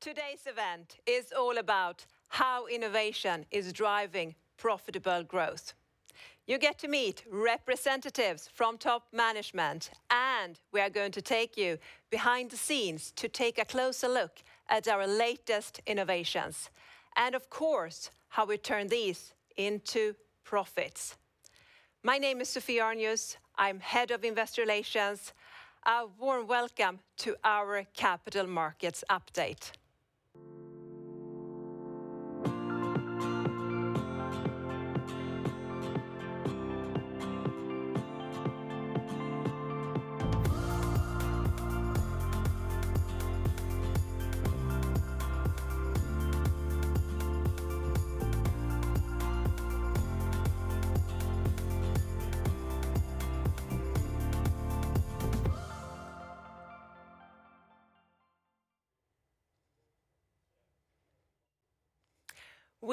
Today's event is all about how innovation is driving profitable growth. You get to meet representatives from top management, and we are going to take you behind the scenes to take a closer look at our latest innovations and, of course, how we turn these into profits. My name is Sofie Arnöus. I'm Head of Investor Relations. A warm welcome to our capital markets update.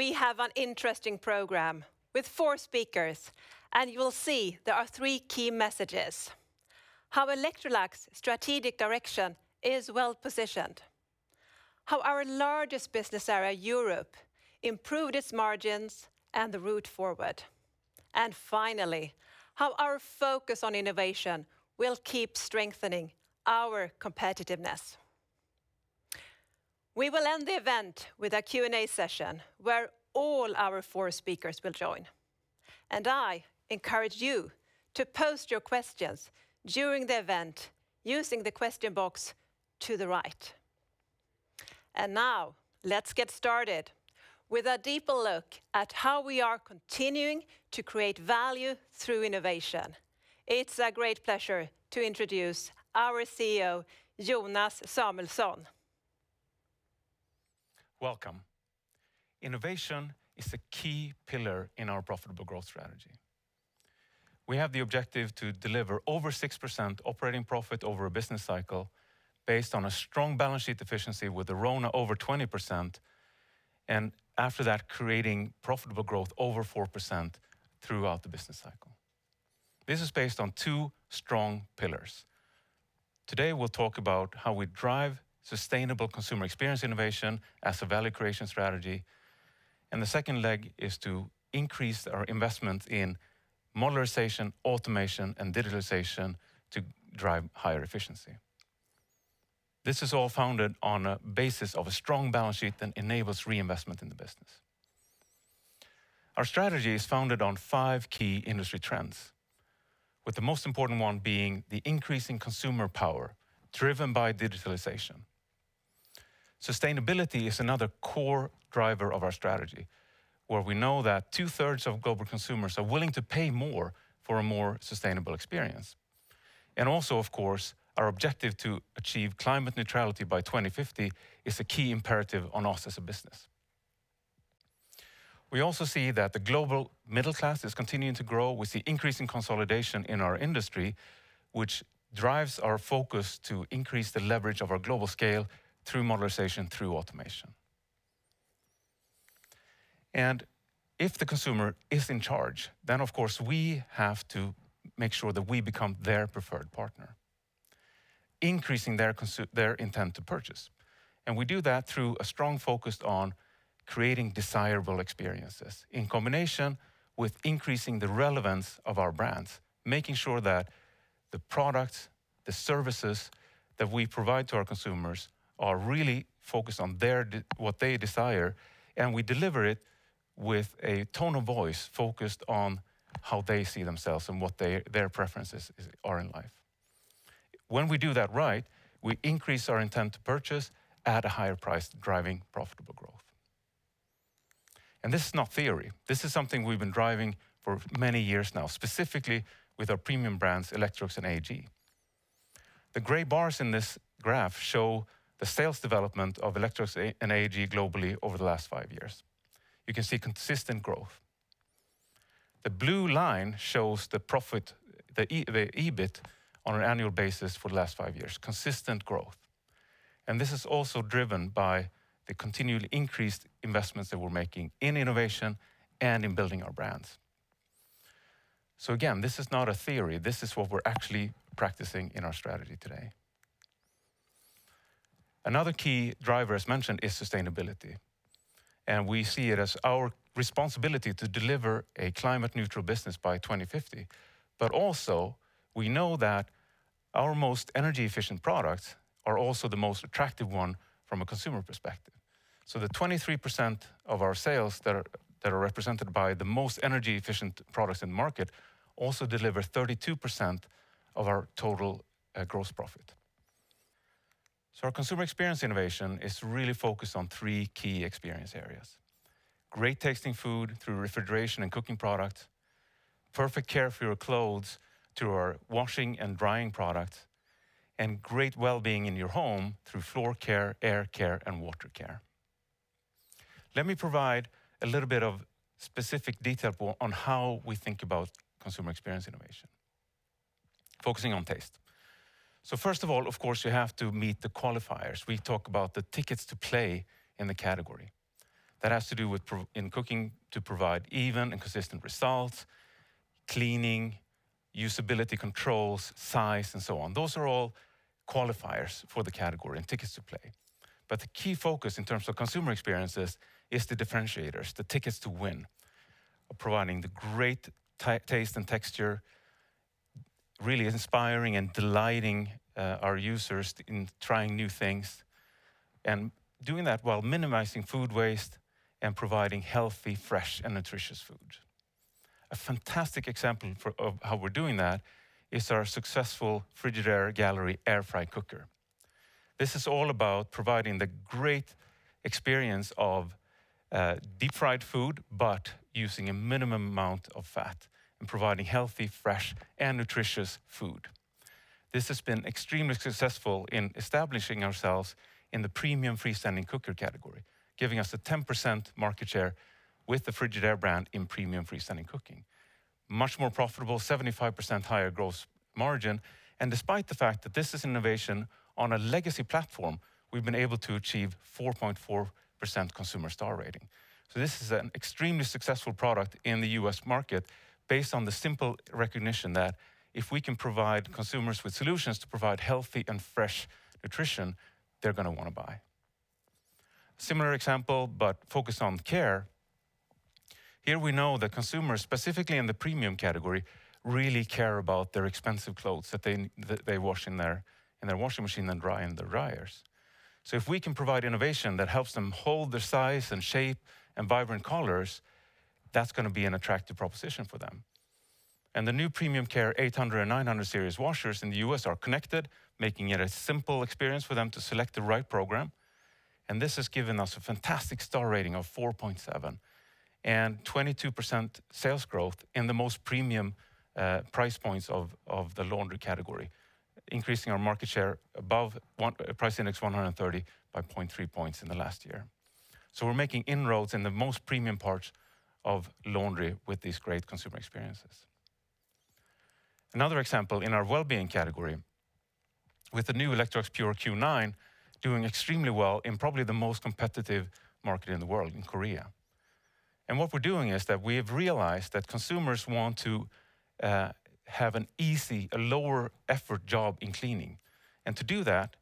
We have an interesting program with four speakers. You will see there are three key messages: how Electrolux strategic direction is well-positioned, how our largest business area, Europe, improved its margins and the route forward, and finally, how our focus on innovation will keep strengthening our competitiveness. We will end the event with a Q&A session where all our four speakers will join. I encourage you to post your questions during the event using the question box to the right. Now, let's get started with a deeper look at how we are continuing to create value through innovation. It's a great pleasure to introduce our CEO, Jonas Samuelson. Welcome. Innovation is a key pillar in our profitable growth strategy. We have the objective to deliver over 6% operating profit over a business cycle based on a strong balance sheet efficiency with a RONA over 20%, and after that, creating profitable growth over 4% throughout the business cycle. This is based on two strong pillars. Today, we'll talk about how we drive sustainable consumer experience innovation as a value creation strategy, and the second leg is to increase our investment in modularization, automation, and digitalization to drive higher efficiency. This is all founded on a basis of a strong balance sheet that enables reinvestment in the business. Our strategy is founded on five key industry trends, with the most important one being the increase in consumer power driven by digitalization. Sustainability is another core driver of our strategy, where we know that two-thirds of global consumers are willing to pay more for a more sustainable experience. Also, of course, our objective to achieve climate neutrality by 2050 is a key imperative on us as a business. We also see that the global middle class is continuing to grow. We see increasing consolidation in our industry, which drives our focus to increase the leverage of our global scale through modularization, through automation. If the consumer is in charge, then, of course, we have to make sure that we become their preferred partner, increasing their intent to purchase. We do that through a strong focus on creating desirable experiences in combination with increasing the relevance of our brands, making sure that the products, the services that we provide to our consumers are really focused on what they desire, and we deliver it with a tone of voice focused on how they see themselves and what their preferences are in life. When we do that right, we increase our intent to purchase at a higher price, driving profitable growth. This is not theory. This is something we've been driving for many years now, specifically with our premium brands, Electrolux and AEG. The gray bars in this graph show the sales development of Electrolux and AEG globally over the last five years. You can see consistent growth. The blue line shows the EBIT on an annual basis for the last five years. Consistent growth. This is also driven by the continually increased investments that we're making in innovation and in building our brands. Again, this is not a theory. This is what we're actually practicing in our strategy today. Another key driver, as mentioned, is sustainability, and we see it as our responsibility to deliver a climate neutral business by 2050. Also, we know that our most energy efficient products are also the most attractive one from a consumer perspective. The 23% of our sales that are represented by the most energy efficient products in the market also deliver 32% of our total gross profit. Our consumer experience innovation is really focused on three key experience areas. Great tasting food through refrigeration and cooking product, perfect care for your clothes through our washing and drying product, and great wellbeing in your home through floor care, air care, and water care. Let me provide a little bit of specific detail on how we think about consumer experience innovation. Focusing on taste. First of all, of course, you have to meet the qualifiers. We talk about the tickets to play in the category. That has to do with in cooking to provide even and consistent results, cleaning, usability controls, size, and so on. Those are all qualifiers for the category and tickets to play. The key focus in terms of consumer experiences is the differentiators, the tickets to win. Providing the great taste and texture, really inspiring and delighting our users in trying new things, and doing that while minimizing food waste and providing healthy, fresh, and nutritious food. A fantastic example of how we're doing that is our successful Frigidaire Gallery air fry cooker. This is all about providing the great experience of deep-fried food, but using a minimum amount of fat and providing healthy, fresh, and nutritious food. This has been extremely successful in establishing ourselves in the premium freestanding cooker category, giving us a 10% market share with the Frigidaire brand in premium freestanding cooking. Much more profitable, 75% higher gross margin. Despite the fact that this is innovation on a legacy platform, we've been able to achieve 4.4% consumer star rating. This is an extremely successful product in the U.S. market based on the simple recognition that if we can provide consumers with solutions to provide healthy and fresh nutrition, they're going to want to buy. Similar example, but focused on care. Here we know that consumers, specifically in the premium category, really care about their expensive clothes that they wash in their washing machine and dry in their dryers. If we can provide innovation that helps them hold their size and shape and vibrant colors, that's going to be an attractive proposition for them. The new PerfectCare 800 and 900 series washers in the U.S. are connected, making it a simple experience for them to select the right program. This has given us a fantastic star rating of 4.7 and 22% sales growth in the most premium price points of the laundry category, increasing our market share above price index 130 by 0.3 points in the last year. We're making inroads in the most premium parts of laundry with these great consumer experiences. Another example in our wellbeing category, with the new Electrolux Pure Q9 doing extremely well in probably the most competitive market in the world, in Korea. What we're doing is that we have realized that consumers want to have an easy, a lower effort job in cleaning. To do that,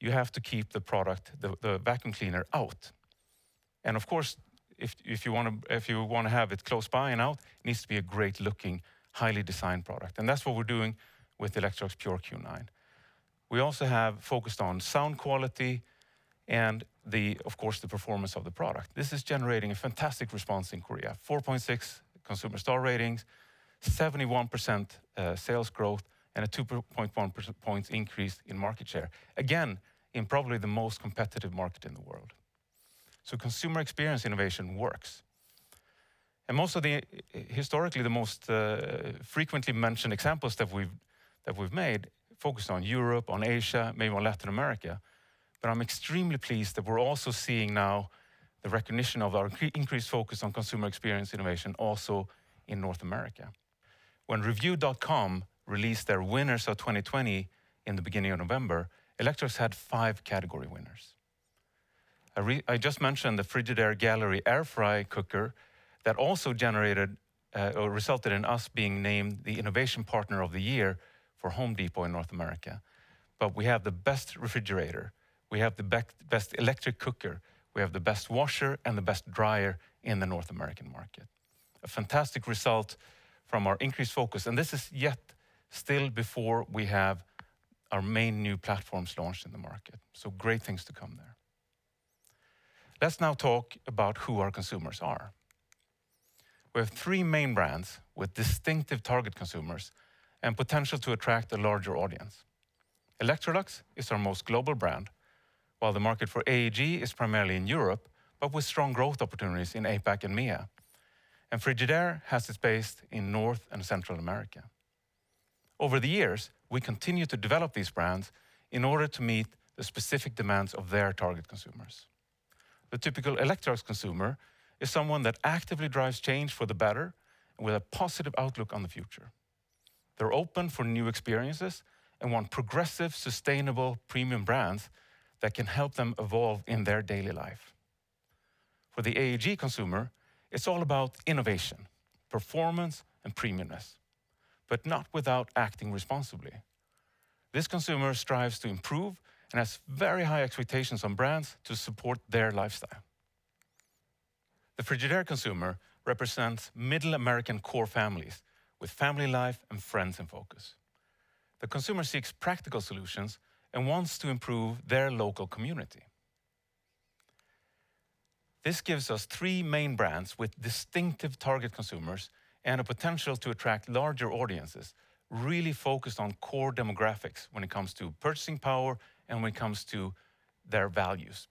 you have to keep the vacuum cleaner out. Of course, if you want to have it close by and out, it needs to be a great looking, highly designed product. That's what we're doing with Electrolux Pure Q9. We also have focused on sound quality and of course, the performance of the product. This is generating a fantastic response in Korea, 4.6 consumer star ratings, 71% sales growth, and a 2.1 points increase in market share. Again, in probably the most competitive market in the world. Consumer experience innovation works. Most of historically the most frequently mentioned examples that we've made focused on Europe, on Asia, maybe on Latin America, but I'm extremely pleased that we're also seeing now the recognition of our increased focus on consumer experience innovation also in North America. When Reviewed.com released their winners of 2020 in the beginning of November, Electrolux had five category winners. I just mentioned the Frigidaire Gallery air fry cooker that also generated or resulted in us being named the Innovation Partner of the Year for Home Depot in North America. We have the best refrigerator, we have the best electric cooker, we have the best washer, and the best dryer in the North American market. A fantastic result from our increased focus, and this is yet still before we have our main new platforms launched in the market. Great things to come there. Let's now talk about who our consumers are. We have three main brands with distinctive target consumers and potential to attract a larger audience. Electrolux is our most global brand, while the market for AEG is primarily in Europe, but with strong growth opportunities in APAC and MEA. Frigidaire has its base in North and Central America. Over the years, we continue to develop these brands in order to meet the specific demands of their target consumers. The typical Electrolux consumer is someone that actively drives change for the better and with a positive outlook on the future. They're open for new experiences and want progressive, sustainable, premium brands that can help them evolve in their daily life. For the AEG consumer, it's all about innovation, performance, and premiumness, but not without acting responsibly. This consumer strives to improve and has very high expectations on brands to support their lifestyle. The Frigidaire consumer represents middle American core families with family life and friends in focus. The consumer seeks practical solutions and wants to improve their local community. This gives us three main brands with distinctive target consumers and a potential to attract larger audiences, really focused on core demographics when it comes to purchasing power and when it comes to their values.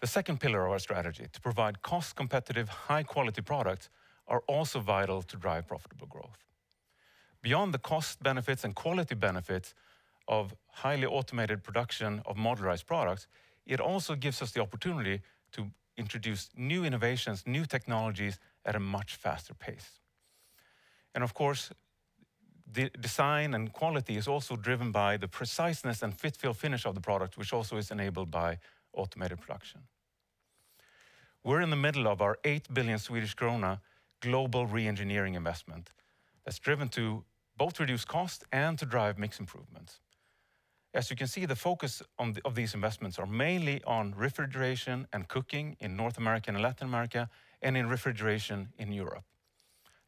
The second pillar of our strategy to provide cost-competitive, high-quality products are also vital to drive profitable growth. Beyond the cost benefits and quality benefits of highly automated production of modularized products, it also gives us the opportunity to introduce new innovations, new technologies at a much faster pace. Of course, the design and quality is also driven by the preciseness and fit for finish of the product, which also is enabled by automated production. We're in the middle of our 8 billion Swedish krona global re-engineering investment that's driven to both reduce cost and to drive mix improvements. As you can see, the focus of these investments are mainly on refrigeration and cooking in North America and Latin America, and in refrigeration in Europe.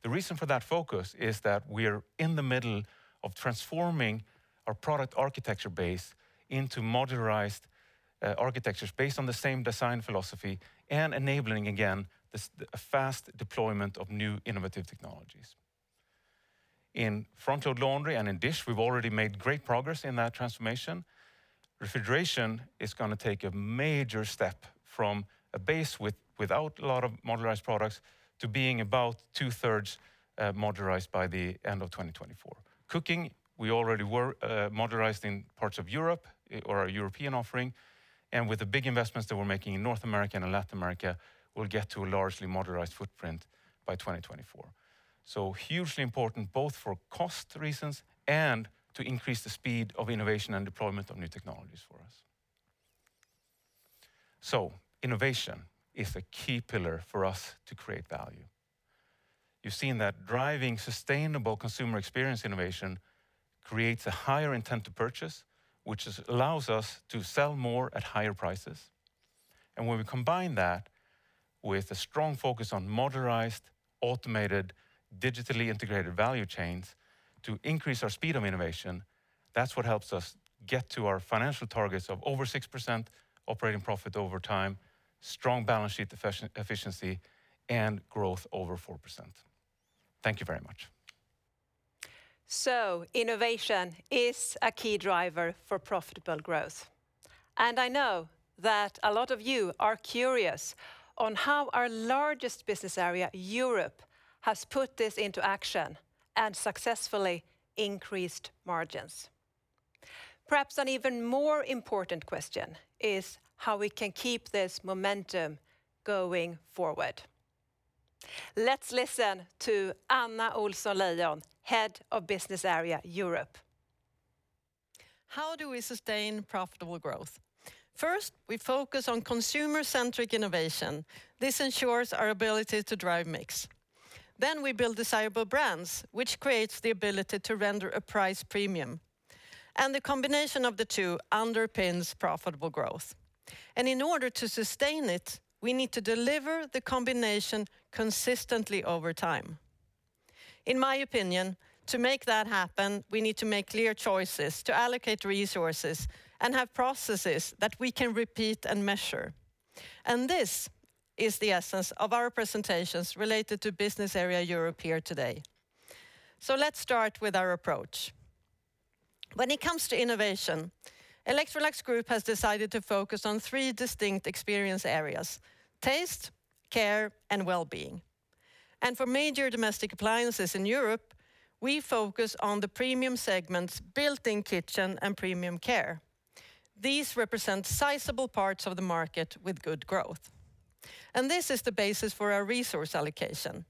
The reason for that focus is that we are in the middle of transforming our product architecture base into modularized architectures based on the same design philosophy, and enabling, again, a fast deployment of new innovative technologies. In front-load laundry and in dish, we've already made great progress in that transformation. Refrigeration is going to take a major step from a base without a lot of modularized products to being about two-thirds modularized by the end of 2024. Cooking, we already were modularized in parts of Europe or our European offering. With the big investments that we're making in North America and in Latin America, we'll get to a largely modularized footprint by 2024. Hugely important, both for cost reasons and to increase the speed of innovation and deployment of new technologies for us. Innovation is a key pillar for us to create value. You've seen that driving sustainable consumer experience innovation creates a higher intent to purchase, which allows us to sell more at higher prices. When we combine that with a strong focus on modularized, automated, digitally integrated value chains to increase our speed of innovation, that's what helps us get to our financial targets of over 6% operating profit over time, strong balance sheet efficiency, and growth over 4%. Thank you very much. Innovation is a key driver for profitable growth. I know that a lot of you are curious on how our largest business area, Europe, has put this into action and successfully increased margins. Perhaps an even more important question is how we can keep this momentum going forward. Let's listen to Anna Ohlsson-Leijon, Head of Business Area Europe. How do we sustain profitable growth? First, we focus on consumer-centric innovation. This ensures our ability to drive mix. We build desirable brands, which creates the ability to render a price premium. The combination of the two underpins profitable growth. In order to sustain it, we need to deliver the combination consistently over time. In my opinion, to make that happen, we need to make clear choices to allocate resources and have processes that we can repeat and measure. This is the essence of our presentations related to business area Europe here today. Let's start with our approach. When it comes to innovation, Electrolux Group has decided to focus on three distinct experience areas, taste, care, and well-being. For major domestic appliances in Europe, we focus on the premium segments built-in kitchen and premium care. These represent sizable parts of the market with good growth. This is the basis for our resource allocation.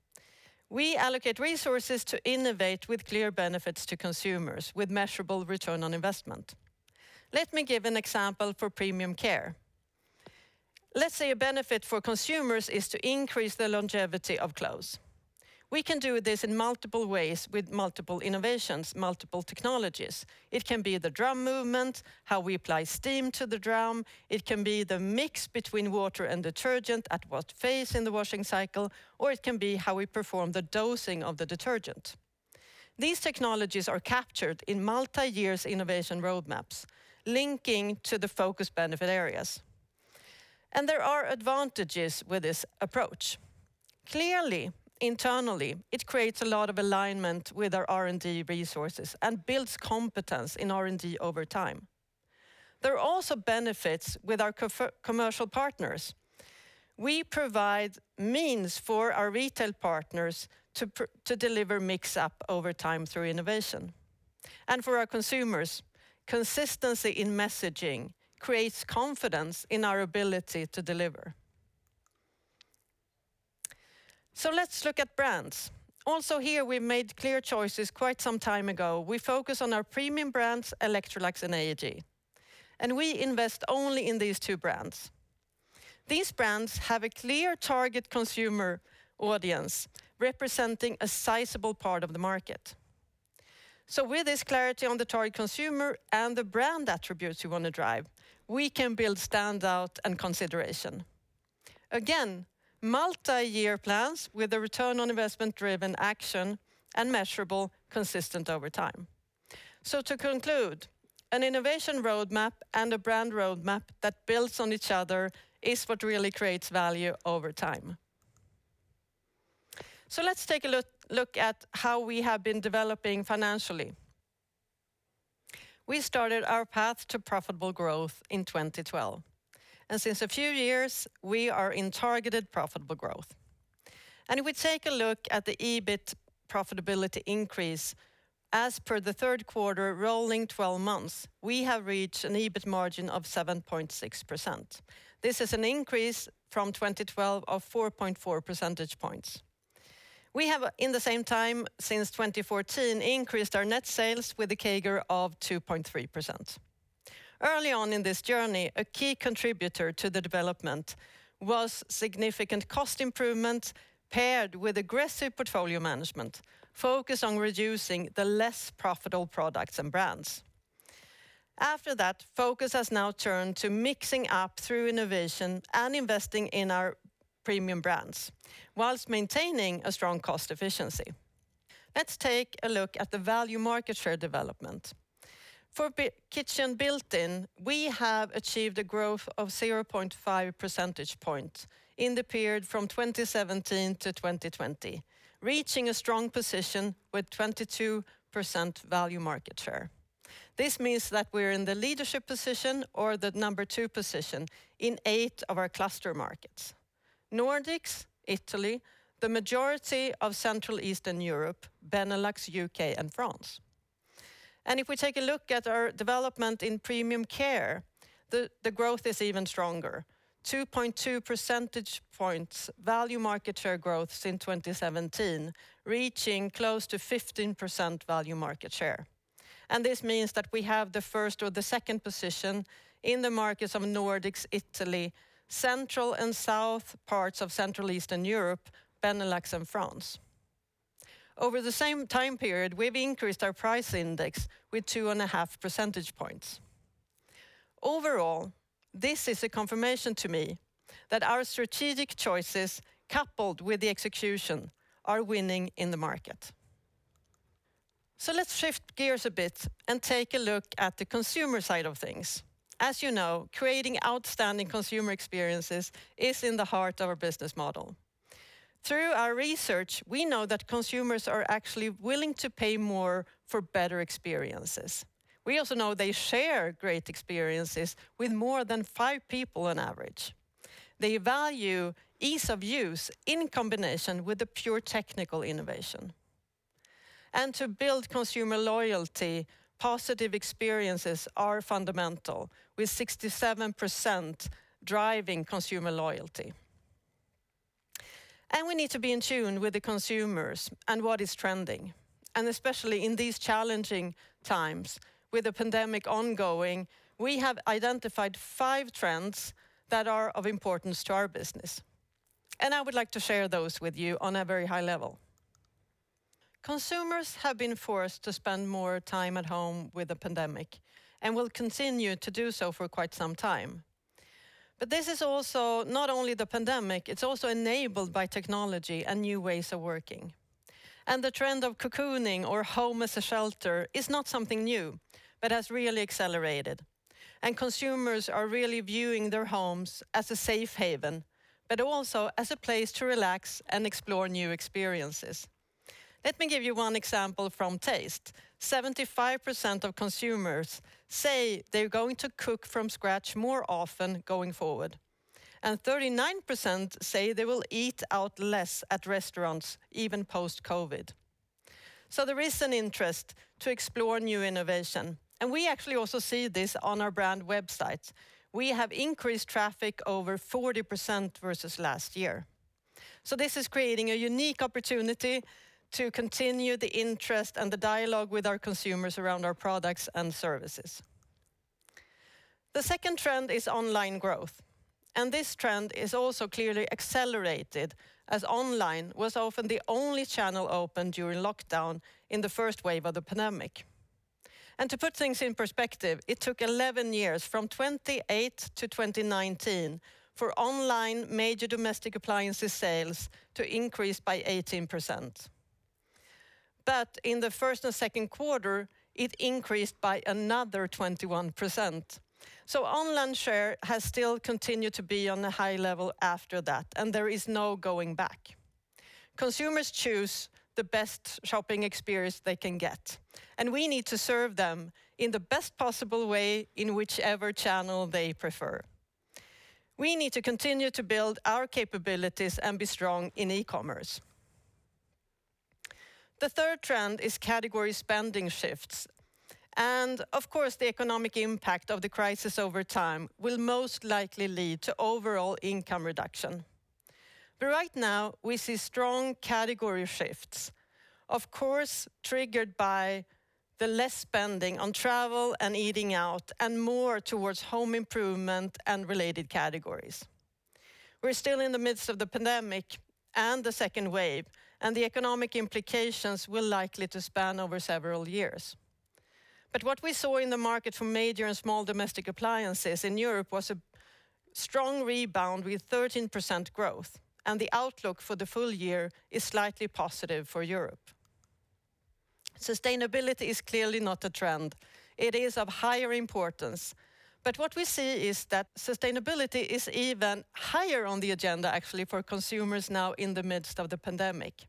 We allocate resources to innovate with clear benefits to consumers with measurable return on investment. Let me give an example for premium care. Let's say a benefit for consumers is to increase the longevity of clothes. We can do this in multiple ways with multiple innovations, multiple technologies. It can be the drum movement, how we apply steam to the drum. It can be the mix between water and detergent, at what phase in the washing cycle, or it can be how we perform the dosing of the detergent. These technologies are captured in multi-year innovation roadmaps linking to the focus benefit areas. There are advantages with this approach. Clearly, internally, it creates a lot of alignment with our R&D resources and builds competence in R&D over time. There are also benefits with our commercial partners. We provide means for our retail partners to deliver mix up over time through innovation. For our consumers, consistency in messaging creates confidence in our ability to deliver. Let's look at brands. Also here, we made clear choices quite some time ago. We focus on our premium brands, Electrolux and AEG, and we invest only in these two brands. These brands have a clear target consumer audience representing a sizable part of the market. With this clarity on the target consumer and the brand attributes we want to drive, we can build standout and consideration. Again, multi-year plans with a return on investment driven action and measurable, consistent over time. To conclude, an innovation roadmap and a brand roadmap that builds on each other is what really creates value over time. Let's take a look at how we have been developing financially. We started our path to profitable growth in 2012, and since a few years, we are in targeted profitable growth. If we take a look at the EBIT profitability increase. As per the third quarter, rolling 12 months, we have reached an EBIT margin of 7.6%. This is an increase from 2012 of 4.4 percentage points. We have, in the same time, since 2014, increased our net sales with a CAGR of 2.3%. Early on in this journey, a key contributor to the development was significant cost improvement paired with aggressive portfolio management focused on reducing the less profitable products and brands. After that, focus has now turned to mixing up through innovation and investing in our premium brands whilst maintaining a strong cost efficiency. Let's take a look at the value market share development. For kitchen built-in, we have achieved a growth of 0.5 percentage points in the period from 2017 to 2020, reaching a strong position with 22% value market share. This means that we're in the leadership position or the number two position in eight of our cluster markets: Nordics, Italy, the majority of Central Eastern Europe, Benelux, U.K., and France. If we take a look at our development in premium care, the growth is even stronger, 2.2 percentage points value market share growth since 2017, reaching close to 15% value market share. This means that we have the first or the second position in the markets of Nordics, Italy, central and south parts of Central Eastern Europe, Benelux, and France. Over the same time period, we've increased our price index with two and a half percentage points. Overall, this is a confirmation to me that our strategic choices, coupled with the execution, are winning in the market. Let's shift gears a bit and take a look at the consumer side of things. As you know, creating outstanding consumer experiences is in the heart of our business model. Through our research, we know that consumers are actually willing to pay more for better experiences. We also know they share great experiences with more than five people on average. They value ease of use in combination with the pure technical innovation. To build consumer loyalty, positive experiences are fundamental, with 67% driving consumer loyalty. We need to be in tune with the consumers and what is trending, and especially in these challenging times with the pandemic ongoing, we have identified five trends that are of importance to our business, and I would like to share those with you on a very high level. Consumers have been forced to spend more time at home with the pandemic and will continue to do so for quite some time. This is also not only the pandemic, it's also enabled by technology and new ways of working. The trend of cocooning or home as a shelter is not something new, but has really accelerated, and consumers are really viewing their homes as a safe haven, but also as a place to relax and explore new experiences. Let me give you one example from taste. 75% of consumers say they're going to cook from scratch more often going forward, and 39% say they will eat out less at restaurants, even post-COVID. There is an interest to explore new innovation, and we actually also see this on our brand websites. We have increased traffic over 40% versus last year. This is creating a unique opportunity to continue the interest and the dialogue with our consumers around our products and services. The second trend is online growth, and this trend is also clearly accelerated as online was often the only channel open during lockdown in the first wave of the pandemic. To put things in perspective, it took 11 years, from 2008 to 2019, for online major domestic appliances sales to increase by 18%. In the first and second quarter, it increased by another 21%. Online share has still continued to be on a high level after that, and there is no going back. Consumers choose the best shopping experience they can get, and we need to serve them in the best possible way in whichever channel they prefer. We need to continue to build our capabilities and be strong in e-commerce. The third trend is category spending shifts, and of course, the economic impact of the crisis over time will most likely lead to overall income reduction. Right now, we see strong category shifts, of course, triggered by the less spending on travel and eating out and more towards home improvement and related categories. We're still in the midst of the pandemic and the second wave, and the economic implications will likely to span over several years. What we saw in the market for major and small domestic appliances in Europe was a strong rebound with 13% growth, and the outlook for the full year is slightly positive for Europe. Sustainability is clearly not a trend. It is of higher importance. What we see is that sustainability is even higher on the agenda, actually, for consumers now in the midst of the pandemic.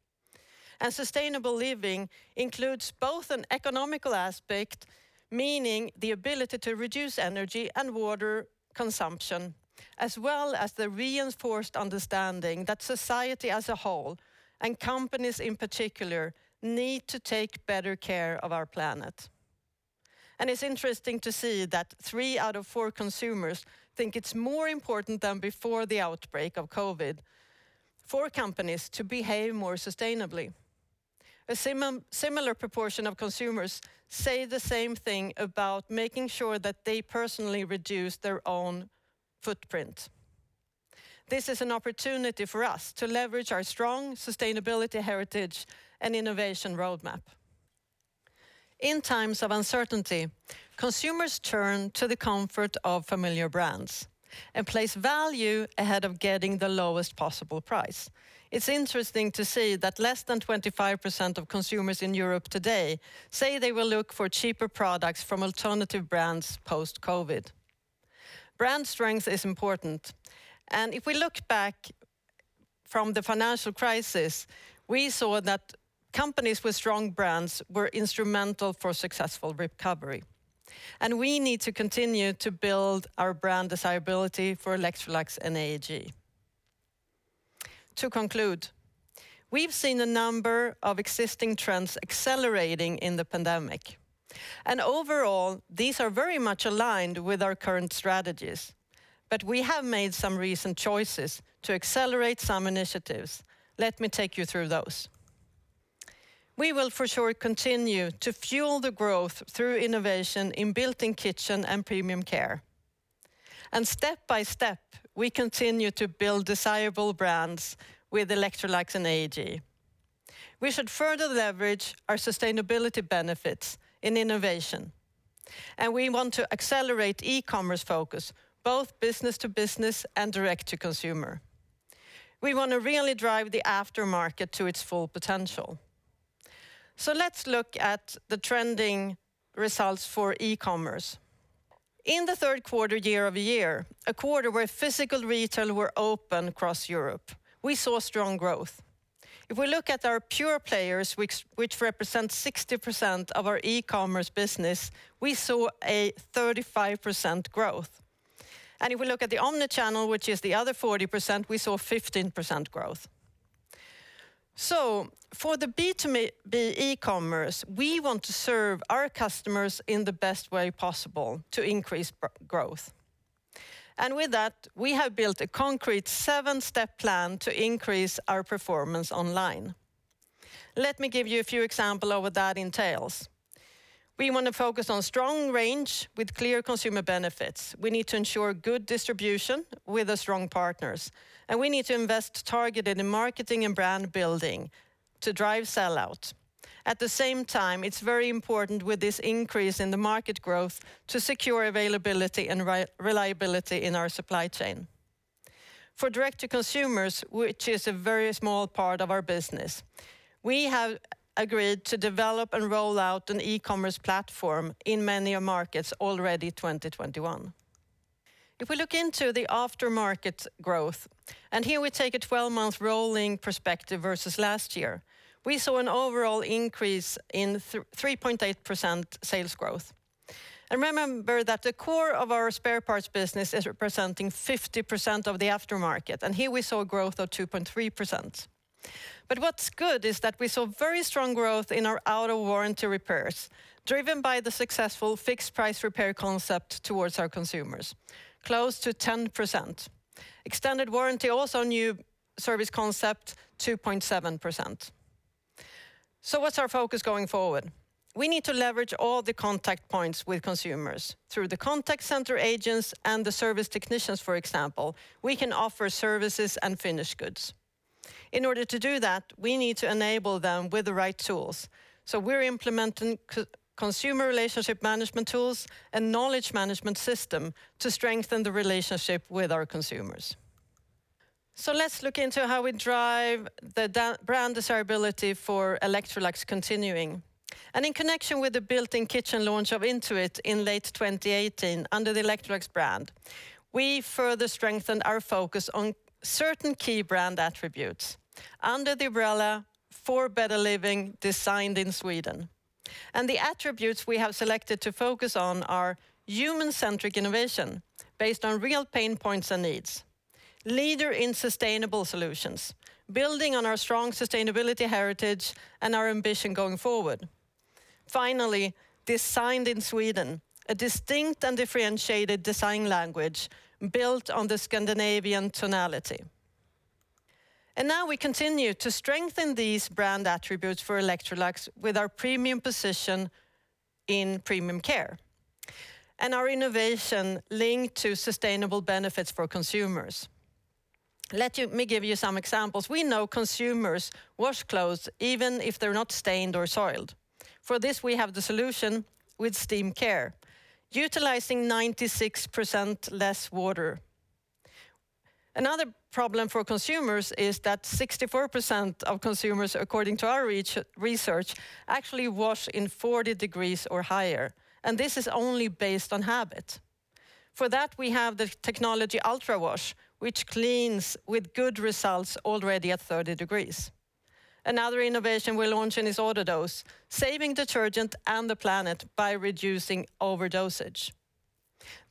Sustainable living includes both an economical aspect, meaning the ability to reduce energy and water consumption, as well as the reinforced understanding that society as a whole, and companies in particular, need to take better care of our planet. It's interesting to see that three out of four consumers think it's more important than before the outbreak of COVID for companies to behave more sustainably. A similar proportion of consumers say the same thing about making sure that they personally reduce their own footprint. This is an opportunity for us to leverage our strong sustainability heritage and innovation roadmap. In times of uncertainty, consumers turn to the comfort of familiar brands and place value ahead of getting the lowest possible price. It's interesting to see that less than 25% of consumers in Europe today say they will look for cheaper products from alternative brands post-COVID. Brand strength is important. If we look back from the financial crisis, we saw that companies with strong brands were instrumental for successful recovery. We need to continue to build our brand desirability for Electrolux and AEG. To conclude, we've seen a number of existing trends accelerating in the pandemic. Overall, these are very much aligned with our current strategies. We have made some recent choices to accelerate some initiatives. Let me take you through those. We will for sure continue to fuel the growth through innovation in built-in kitchen and premium care. Step by step, we continue to build desirable brands with Electrolux and AEG. We should further leverage our sustainability benefits in innovation. We want to accelerate e-commerce focus, both B2B and direct to consumer. We want to really drive the aftermarket to its full potential. Let's look at the trending results for e-commerce. In the third quarter year-over-year, a quarter where physical retail were open across Europe, we saw strong growth. If we look at our pure players, which represent 60% of our e-commerce business, we saw a 35% growth. If we look at the omni-channel, which is the other 40%, we saw 15% growth. For the B2B e-commerce, we want to serve our customers in the best way possible to increase growth. With that, we have built a concrete seven-step plan to increase our performance online. Let me give you a few example of what that entails. We want to focus on strong range with clear consumer benefits. We need to ensure good distribution with the strong partners. We need to invest targeted in marketing and brand building to drive sellout. At the same time, it's very important with this increase in the market growth to secure availability and reliability in our supply chain. For direct to consumers, which is a very small part of our business, we have agreed to develop and roll out an e-commerce platform in many markets already 2021. If we look into the aftermarket growth, here we take a 12-month rolling perspective versus last year, we saw an overall increase in 3.8% sales growth. Remember that the core of our spare parts business is representing 50% of the aftermarket, and here we saw growth of 2.3%. What's good is that we saw very strong growth in our out of warranty repairs, driven by the successful fixed price repair concept towards our consumers, close to 10%. Extended warranty, also a new service concept, 2.7%. What's our focus going forward? We need to leverage all the contact points with consumers. Through the contact center agents and the service technicians, for example, we can offer services and finished goods. In order to do that, we need to enable them with the right tools. We're implementing consumer relationship management tools and knowledge management system to strengthen the relationship with our consumers. Let's look into how we drive the brand desirability for Electrolux continuing. In connection with the built-in kitchen launch of Intuit in late 2018 under the Electrolux brand, we further strengthened our focus on certain key brand attributes under the umbrella For better living. Designed in Sweden. The attributes we have selected to focus on are human-centric innovation based on real pain points and needs. Leader in sustainable solutions, building on our strong sustainability heritage and our ambition going forward. Finally, Designed in Sweden, a distinct and differentiated design language built on the Scandinavian tonality. Now we continue to strengthen these brand attributes for Electrolux with our premium position in premium care and our innovation linked to sustainable benefits for consumers. Let me give you some examples. We know consumers wash clothes even if they're not stained or soiled. For this, we have the solution with SteamCare, utilizing 96% less water. Another problem for consumers is that 64% of consumers, according to our research, actually wash in 40 degrees or higher, and this is only based on habit. For that, we have the technology UltraWash, which cleans with good results already at 30 degrees. Another innovation we're launching is AutoDose, saving detergent and the planet by reducing overdosage.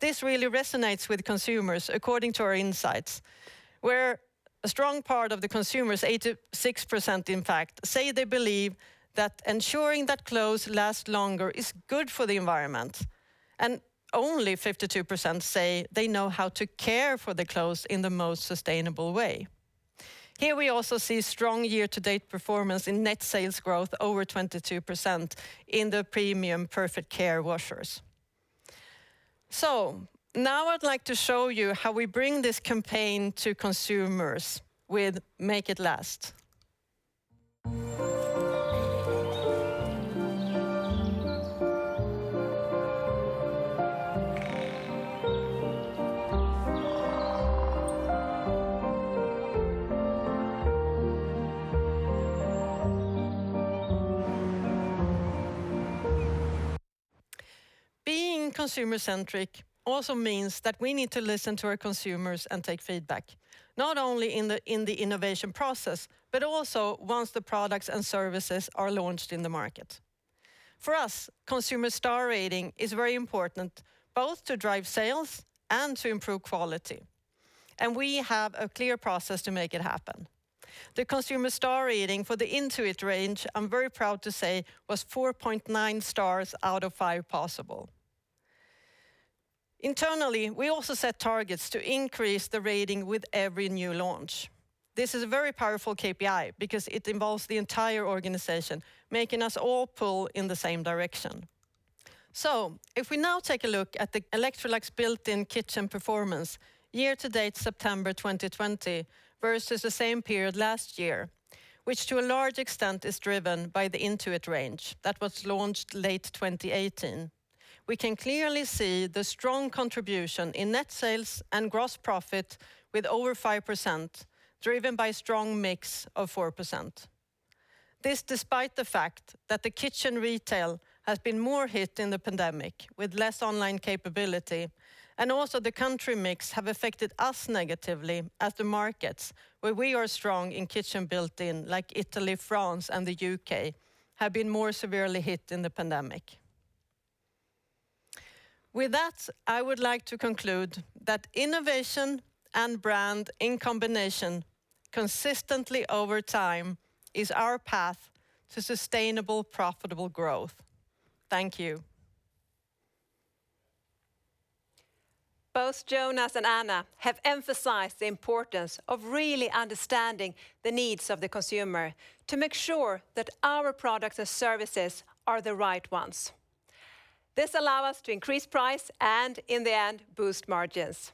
This really resonates with consumers according to our insights, where a strong part of the consumers, 86% in fact, say they believe that ensuring that clothes last longer is good for the environment, and only 52% say they know how to care for the clothes in the most sustainable way. Here we also see strong year-to-date performance in net sales growth over 22% in the premium PerfectCare washers. Now I'd like to show you how we bring this campaign to consumers with Make it Last. Being consumer-centric also means that we need to listen to our consumers and take feedback, not only in the innovation process, but also once the products and services are launched in the market. For us, consumer star rating is very important, both to drive sales and to improve quality, and we have a clear process to make it happen. The consumer star rating for the Intuit range, I'm very proud to say, was 4.9 stars out of five possible. Internally, we also set targets to increase the rating with every new launch. This is a very powerful KPI because it involves the entire organization, making us all pull in the same direction. If we now take a look at the Electrolux built-in kitchen performance year to date September 2020 versus the same period last year, which to a large extent is driven by the Intuit range that was launched late 2018. We can clearly see the strong contribution in net sales and gross profit with over 5%, driven by a strong mix of 4%. This despite the fact that the kitchen retail has been more hit in the pandemic with less online capability, and also the country mix have affected us negatively at the markets where we are strong in kitchen built-in like Italy, France, and the U.K., have been more severely hit in the pandemic. With that, I would like to conclude that innovation and brand in combination consistently over time is our path to sustainable, profitable growth. Thank you. Both Jonas and Anna have emphasized the importance of really understanding the needs of the consumer to make sure that our products and services are the right ones. This allow us to increase price and, in the end, boost margins.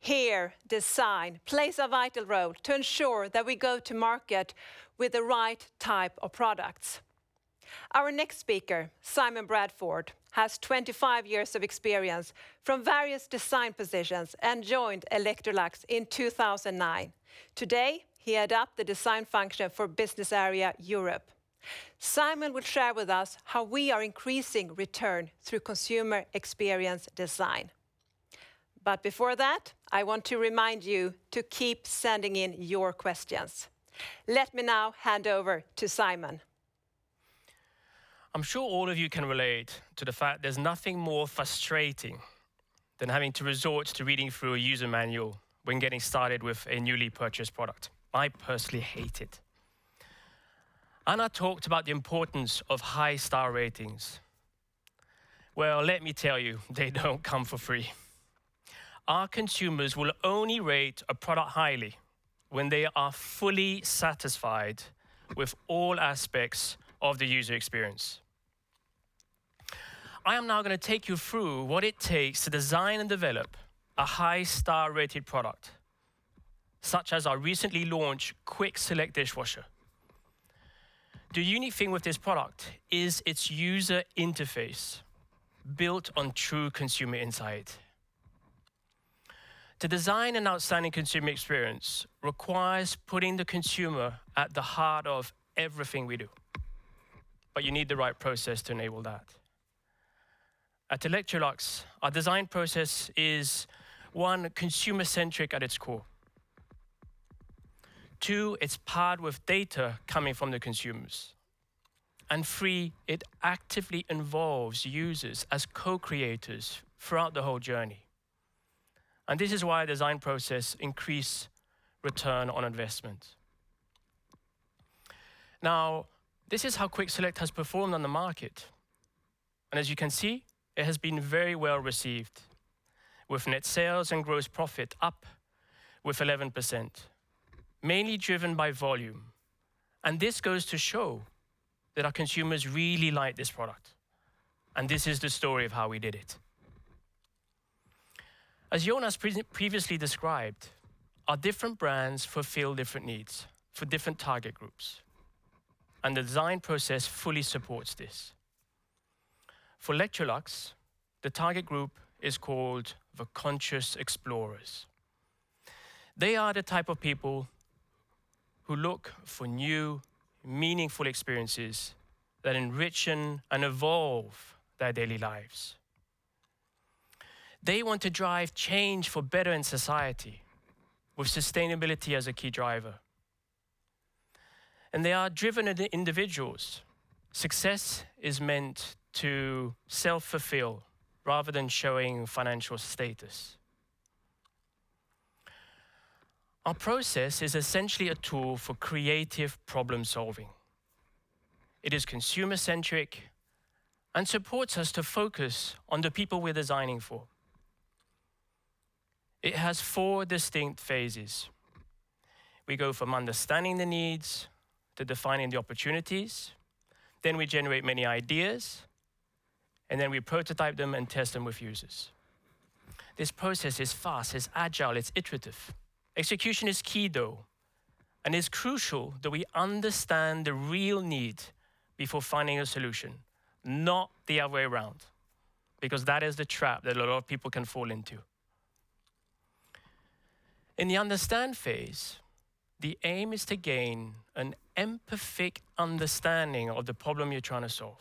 Here, design plays a vital role to ensure that we go to market with the right type of products. Our next speaker, Simon Bradford, has 25 years of experience from various design positions and joined Electrolux in 2009. Today, he head up the design function for Business Area Europe. Simon will share with us how we are increasing return through consumer experience design. Before that, I want to remind you to keep sending in your questions. Let me now hand over to Simon. I'm sure all of you can relate to the fact there's nothing more frustrating than having to resort to reading through a user manual when getting started with a newly purchased product. I personally hate it. Anna talked about the importance of high star ratings. Well, let me tell you, they don't come for free. Our consumers will only rate a product highly when they are fully satisfied with all aspects of the user experience. I am now going to take you through what it takes to design and develop a high star-rated product, such as our recently launched QuickSelect dishwasher. The unique thing with this product is its user interface built on true consumer insight. To design an outstanding consumer experience requires putting the consumer at the heart of everything we do, you need the right process to enable that. At Electrolux, our design process is, one, consumer-centric at its core. Two, it's paired with data coming from the consumers. Three, it actively involves users as co-creators throughout the whole journey. This is why design process increase return on investment. Now, this is how QuickSelect has performed on the market, and as you can see, it has been very well received with net sales and gross profit up with 11%, mainly driven by volume. This goes to show that our consumers really like this product, and this is the story of how we did it. As Jonas previously described, our different brands fulfill different needs for different target groups, and the design process fully supports this. For Electrolux, the target group is called the Conscious Explorers. They are the type of people who look for new, meaningful experiences that enrichen and evolve their daily lives. They want to drive change for better in society with sustainability as a key driver. They are driven individuals. Success is meant to self-fulfill rather than showing financial status. Our process is essentially a tool for creative problem-solving. It is consumer-centric and supports us to focus on the people we're designing for. It has four distinct phases. We go from understanding the needs to defining the opportunities, then we generate many ideas, and then we prototype them and test them with users. This process is fast, it's agile, it's iterative. Execution is key, though, and it's crucial that we understand the real need before finding a solution, not the other way around, because that is the trap that a lot of people can fall into. In the understand phase, the aim is to gain an empathic understanding of the problem you're trying to solve.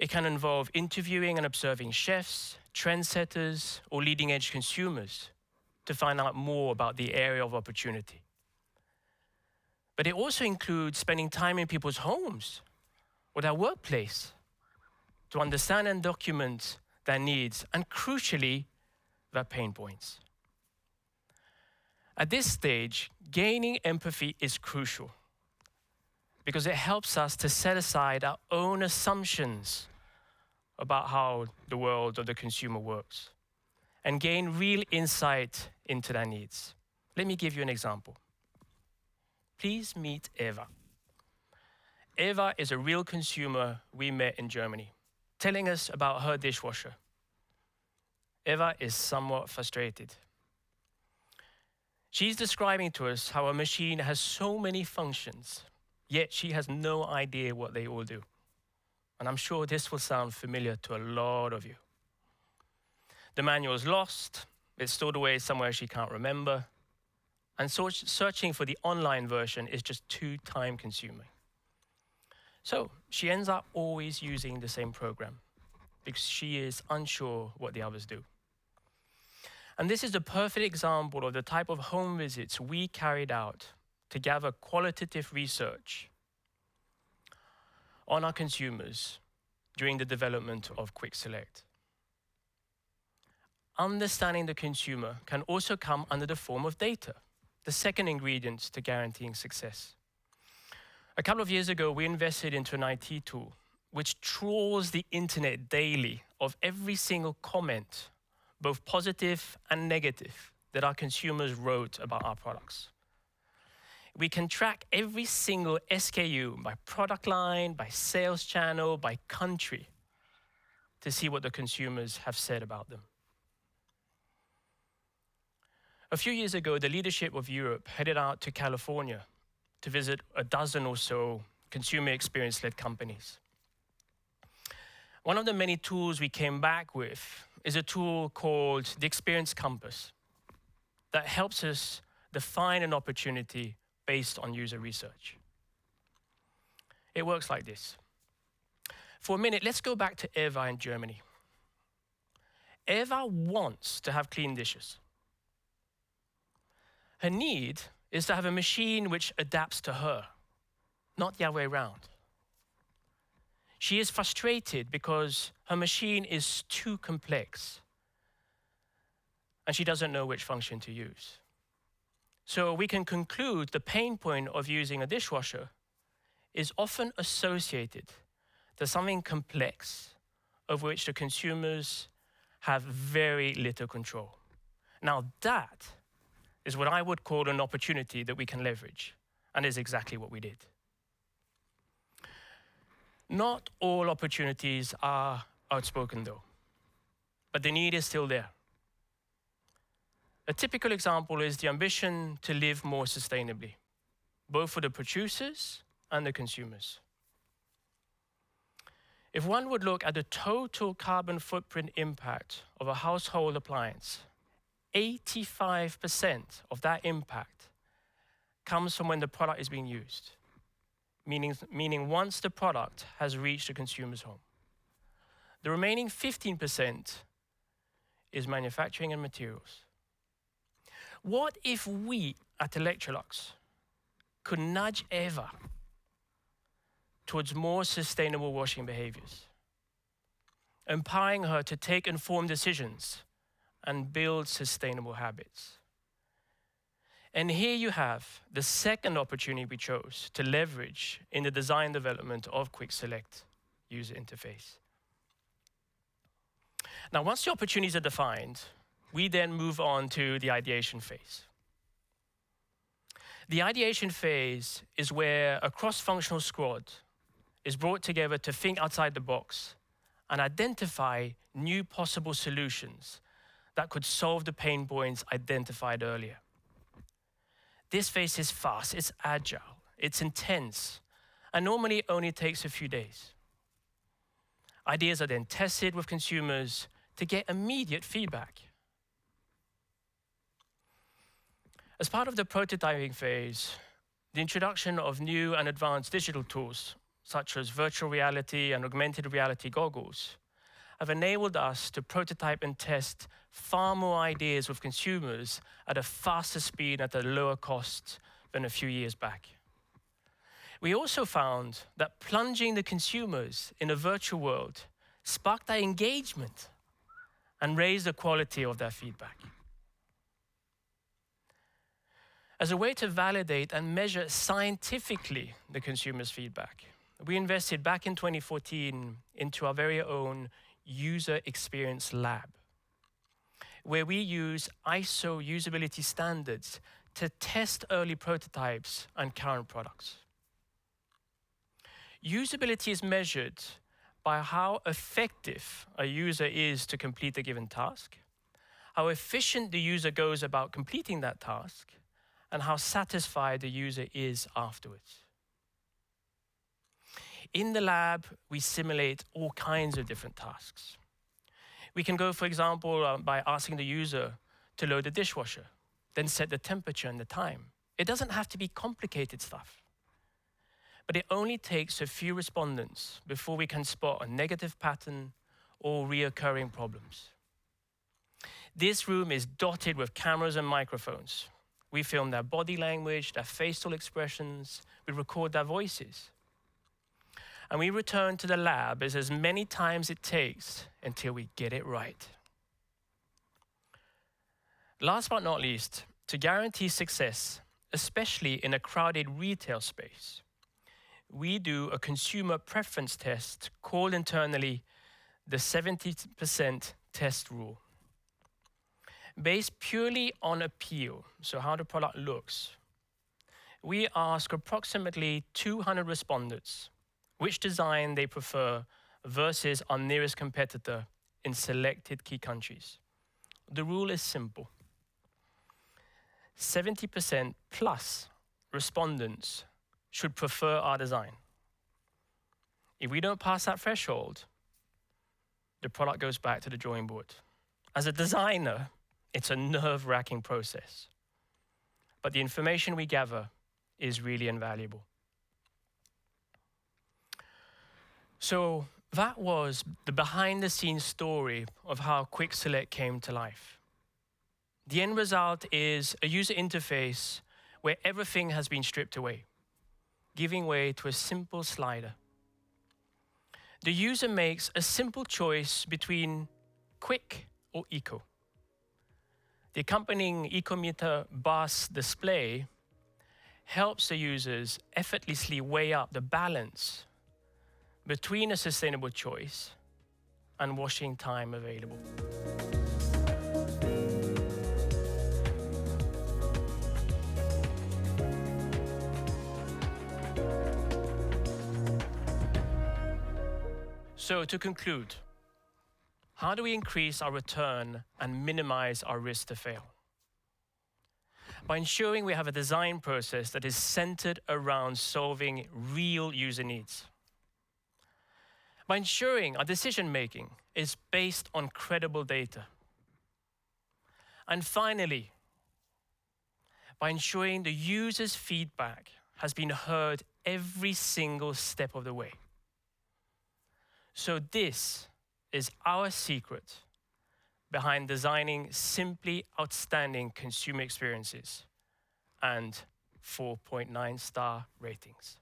It can involve interviewing and observing chefs, trendsetters, or leading-edge consumers to find out more about the area of opportunity. It also includes spending time in people's homes or their workplace to understand and document their needs, and crucially, their pain points. At this stage, gaining empathy is crucial because it helps us to set aside our own assumptions about how the world of the consumer works and gain real insight into their needs. Let me give you an example. Please meet Eva. Eva is a real consumer we met in Germany, telling us about her dishwasher. Eva is somewhat frustrated. She's describing to us how her machine has so many functions, yet she has no idea what they all do. I'm sure this will sound familiar to a lot of you. The manual is lost. It's stored away somewhere she can't remember, and searching for the online version is just too time-consuming. She ends up always using the same program because she is unsure what the others do. This is the perfect example of the type of home visits we carried out to gather qualitative research on our consumers during the development of QuickSelect. Understanding the consumer can also come under the form of data, the second ingredient to guaranteeing success. A couple of years ago, we invested into an IT tool, which trawls the internet daily of every single comment, both positive and negative, that our consumers wrote about our products. We can track every single SKU by product line, by sales channel, by country, to see what the consumers have said about them. A few years ago, the leadership of Europe headed out to California to visit a dozen or so consumer experience-led companies. One of the many tools we came back with is a tool called the Experience Compass that helps us define an opportunity based on user research. It works like this. For a minute, let's go back to Eva in Germany. Eva wants to have clean dishes. Her need is to have a machine which adapts to her, not the other way around. She is frustrated because her machine is too complex, and she doesn't know which function to use. We can conclude the pain point of using a dishwasher is often associated to something complex over which the consumers have very little control. Now, that is what I would call an opportunity that we can leverage and is exactly what we did. Not all opportunities are outspoken, though, but the need is still there. A typical example is the ambition to live more sustainably, both for the producers and the consumers. If one would look at the total carbon footprint impact of a household appliance, 85% of that impact comes from when the product is being used, meaning once the product has reached the consumer's home. The remaining 15% is manufacturing and materials. What if we at Electrolux could nudge Eva towards more sustainable washing behaviors, empowering her to take informed decisions and build sustainable habits? Here you have the second opportunity we chose to leverage in the design development of QuickSelect user interface. Now, once the opportunities are defined, we then move on to the ideation phase. The ideation phase is where a cross-functional squad is brought together to think outside the box and identify new possible solutions that could solve the pain points identified earlier. This phase is fast, it's agile, it's intense, and normally only takes a few days. Ideas are then tested with consumers to get immediate feedback. As part of the prototyping phase, the introduction of new and advanced digital tools, such as virtual reality and augmented reality goggles, have enabled us to prototype and test far more ideas with consumers at a faster speed, at a lower cost than a few years back. We also found that plunging the consumers in a virtual world sparked their engagement and raised the quality of their feedback. As a way to validate and measure scientifically the consumer's feedback, we invested back in 2014 into our very own user experience lab, where we use ISO usability standards to test early prototypes and current products. Usability is measured by how effective a user is to complete a given task, how efficient the user goes about completing that task, and how satisfied the user is afterwards. In the lab, we simulate all kinds of different tasks. We can go, for example, by asking the user to load the dishwasher, then set the temperature and the time. It doesn't have to be complicated stuff, but it only takes a few respondents before we can spot a negative pattern or reoccurring problems. This room is dotted with cameras and microphones. We film their body language, their facial expressions. We record their voices. We return to the lab as many times as it takes until we get it right. Last but not least, to guarantee success, especially in a crowded retail space, we do a consumer preference test called internally the 70% test rule. Based purely on appeal, so how the product looks, we ask approximately 200 respondents which design they prefer versus our nearest competitor in selected key countries. The rule is simple. 70% plus respondents should prefer our design. If we don't pass that threshold, the product goes back to the drawing board. As a designer, it's a nerve-wracking process, but the information we gather is really invaluable. That was the behind-the-scenes story of how QuickSelect came to life. The end result is a user interface where everything has been stripped away, giving way to a simple slider. The user makes a simple choice between quick or eco. The accompanying Ecometer display helps the users effortlessly weigh up the balance between a sustainable choice and washing time available. To conclude, how do we increase our return and minimize our risk to fail? By ensuring we have a design process that is centered around solving real user needs, by ensuring our decision making is based on credible data, and finally, by ensuring the user's feedback has been heard every single step of the way. This is our secret behind designing simply outstanding consumer experiences and 4.9-star ratings.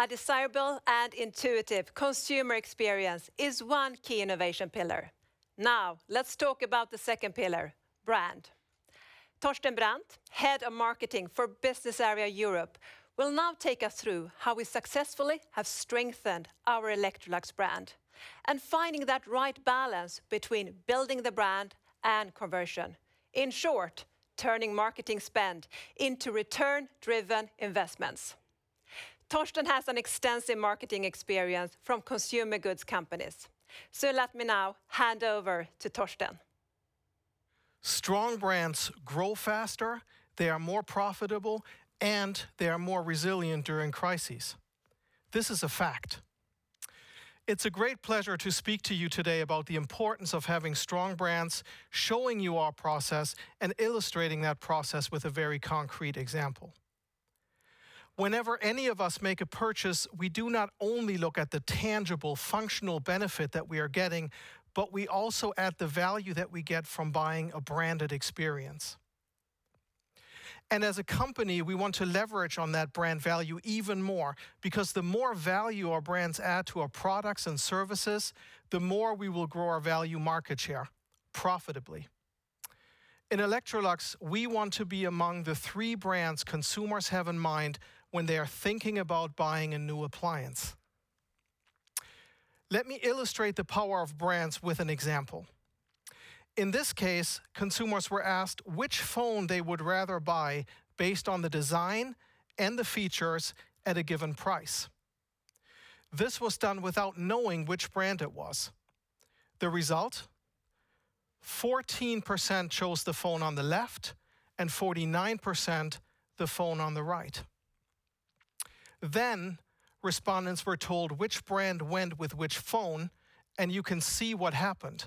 A desirable and intuitive consumer experience is one key innovation pillar. Now, let's talk about the second pillar, brand. Thorsten Brandt, Head of Marketing for Business Area Europe, will now take us through how we successfully have strengthened our Electrolux brand and finding that right balance between building the brand and conversion. In short, turning marketing spend into return-driven investments. Thorsten has an extensive marketing experience from consumer goods companies. Let me now hand over to Thorsten. Strong brands grow faster, they are more profitable, and they are more resilient during crises. This is a fact. It's a great pleasure to speak to you today about the importance of having strong brands, showing you our process, and illustrating that process with a very concrete example. Whenever any of us make a purchase, we do not only look at the tangible, functional benefit that we are getting, but we also add the value that we get from buying a branded experience. As a company, we want to leverage on that brand value even more, because the more value our brands add to our products and services, the more we will grow our value market share profitably. In Electrolux, we want to be among the three brands consumers have in mind when they are thinking about buying a new appliance. Let me illustrate the power of brands with an example. In this case, consumers were asked which phone they would rather buy based on the design and the features at a given price. This was done without knowing which brand it was. The result, 14% chose the phone on the left and 49% the phone on the right. Respondents were told which brand went with which phone, and you can see what happened.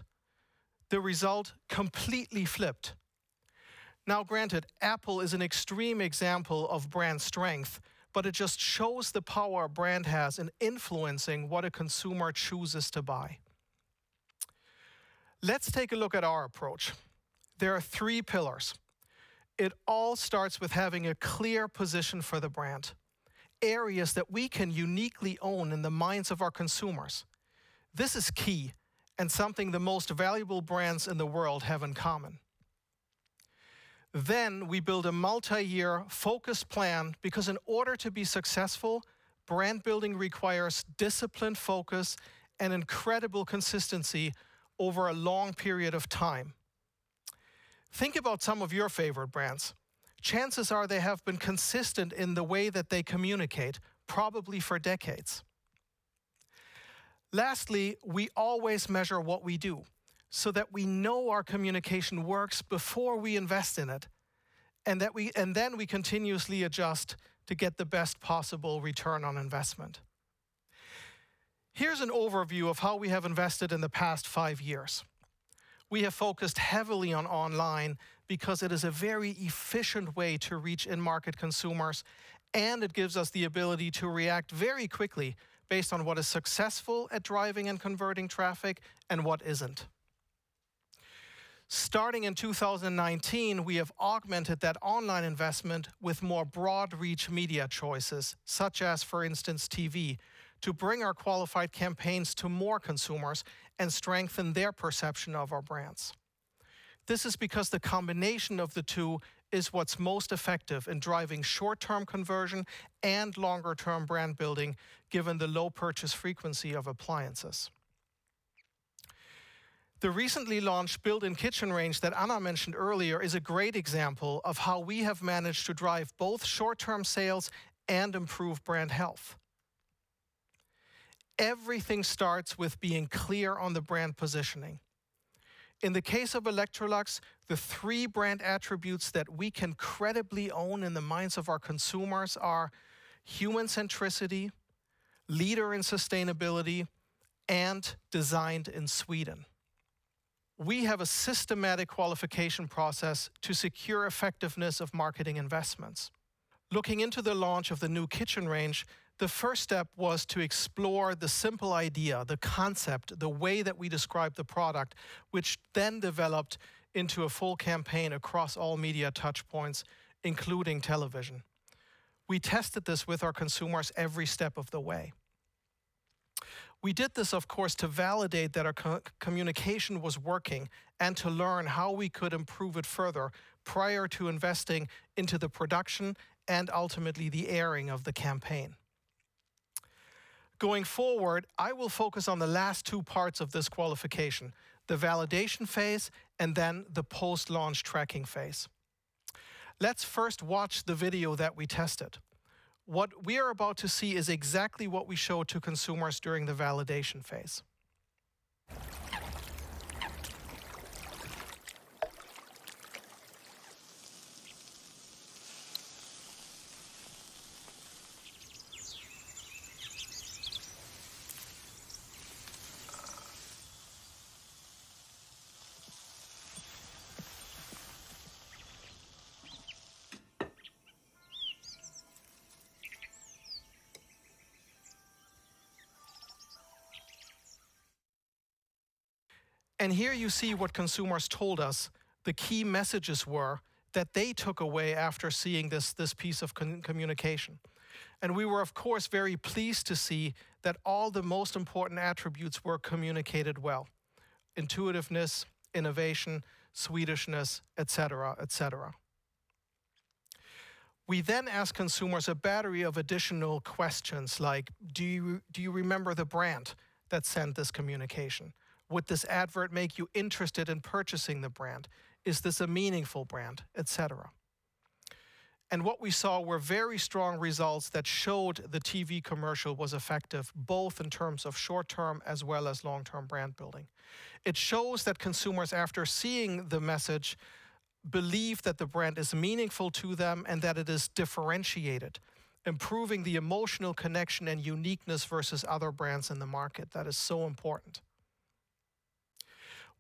The result completely flipped. Granted, Apple is an extreme example of brand strength, but it just shows the power a brand has in influencing what a consumer chooses to buy. Let's take a look at our approach. There are three pillars. It all starts with having a clear position for the brand, areas that we can uniquely own in the minds of our consumers. This is key, and something the most valuable brands in the world have in common. We build a multi-year focus plan because in order to be successful, brand building requires disciplined focus and incredible consistency over a long period of time. Think about some of your favorite brands. Chances are they have been consistent in the way that they communicate, probably for decades. Lastly, we always measure what we do so that we know our communication works before we invest in it, and then we continuously adjust to get the best possible return on investment. Here's an overview of how we have invested in the past five years. We have focused heavily on online because it is a very efficient way to reach end market consumers, and it gives us the ability to react very quickly based on what is successful at driving and converting traffic and what isn't. Starting in 2019, we have augmented that online investment with more broad reach media choices, such as, for instance, TV, to bring our qualified campaigns to more consumers and strengthen their perception of our brands. This is because the combination of the two is what's most effective in driving short-term conversion and longer-term brand building, given the low purchase frequency of appliances. The recently launched built-in kitchen range that Anna mentioned earlier is a great example of how we have managed to drive both short-term sales and improve brand health. Everything starts with being clear on the brand positioning. In the case of Electrolux, the three brand attributes that we can credibly own in the minds of our consumers are human centricity, leader in sustainability, and Designed in Sweden. We have a systematic qualification process to secure effectiveness of marketing investments. Looking into the launch of the new kitchen range, the first step was to explore the simple idea, the concept, the way that we describe the product, which then developed into a full campaign across all media touchpoints, including television. We tested this with our consumers every step of the way. We did this, of course, to validate that our communication was working and to learn how we could improve it further prior to investing into the production and ultimately the airing of the campaign. Going forward, I will focus on the last two parts of this qualification, the validation phase and then the post-launch tracking phase. Let's first watch the video that we tested. What we are about to see is exactly what we showed to consumers during the validation phase. Here you see what consumers told us the key messages were that they took away after seeing this piece of communication. We were, of course, very pleased to see that all the most important attributes were communicated well, intuitiveness, innovation, Swedishness, et cetera. We then asked consumers a battery of additional questions like, "Do you remember the brand that sent this communication? Would this advert make you interested in purchasing the brand? Is this a meaningful brand?" What we saw were very strong results that showed the TV commercial was effective, both in terms of short-term as well as long-term brand building. It shows that consumers, after seeing the message, believe that the brand is meaningful to them and that it is differentiated, improving the emotional connection and uniqueness versus other brands in the market. That is so important.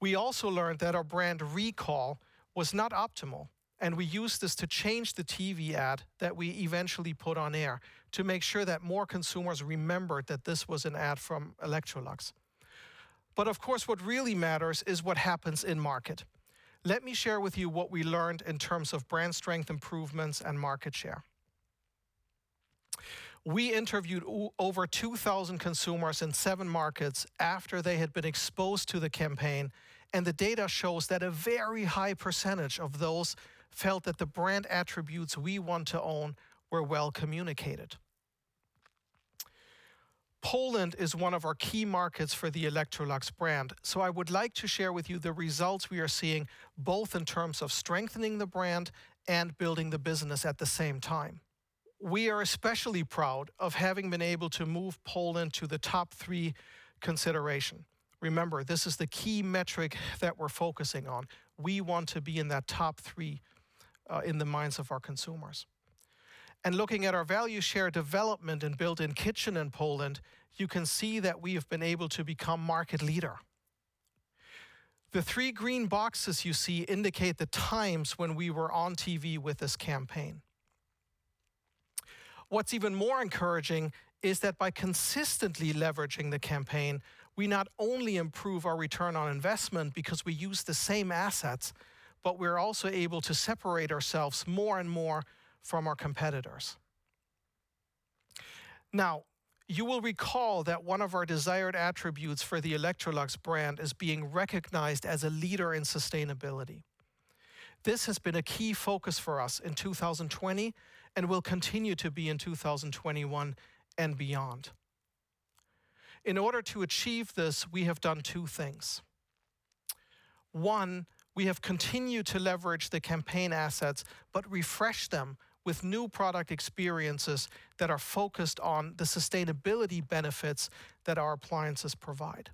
We also learned that our brand recall was not optimal, and we used this to change the TV ad that we eventually put on air to make sure that more consumers remembered that this was an ad from Electrolux. Of course, what really matters is what happens in market. Let me share with you what we learned in terms of brand strength improvements and market share. We interviewed over 2,000 consumers in seven markets after they had been exposed to the campaign, and the data shows that a very high percentage of those felt that the brand attributes we want to own were well communicated. Poland is one of our key markets for the Electrolux brand. I would like to share with you the results we are seeing, both in terms of strengthening the brand and building the business at the same time. We are especially proud of having been able to move Poland to the top three consideration. Remember, this is the key metric that we're focusing on. We want to be in that top three in the minds of our consumers. Looking at our value share development in built-in kitchen in Poland, you can see that we have been able to become market leader. The three green boxes you see indicate the times when we were on TV with this campaign. What's even more encouraging is that by consistently leveraging the campaign, we not only improve our ROI because we use the same assets, but we're also able to separate ourselves more and more from our competitors. You will recall that one of our desired attributes for the Electrolux brand is being recognized as a leader in sustainability. This has been a key focus for us in 2020, and will continue to be in 2021 and beyond. In order to achieve this, we have done two things. One, we have continued to leverage the campaign assets but refreshed them with new product experiences that are focused on the sustainability benefits that our appliances provide.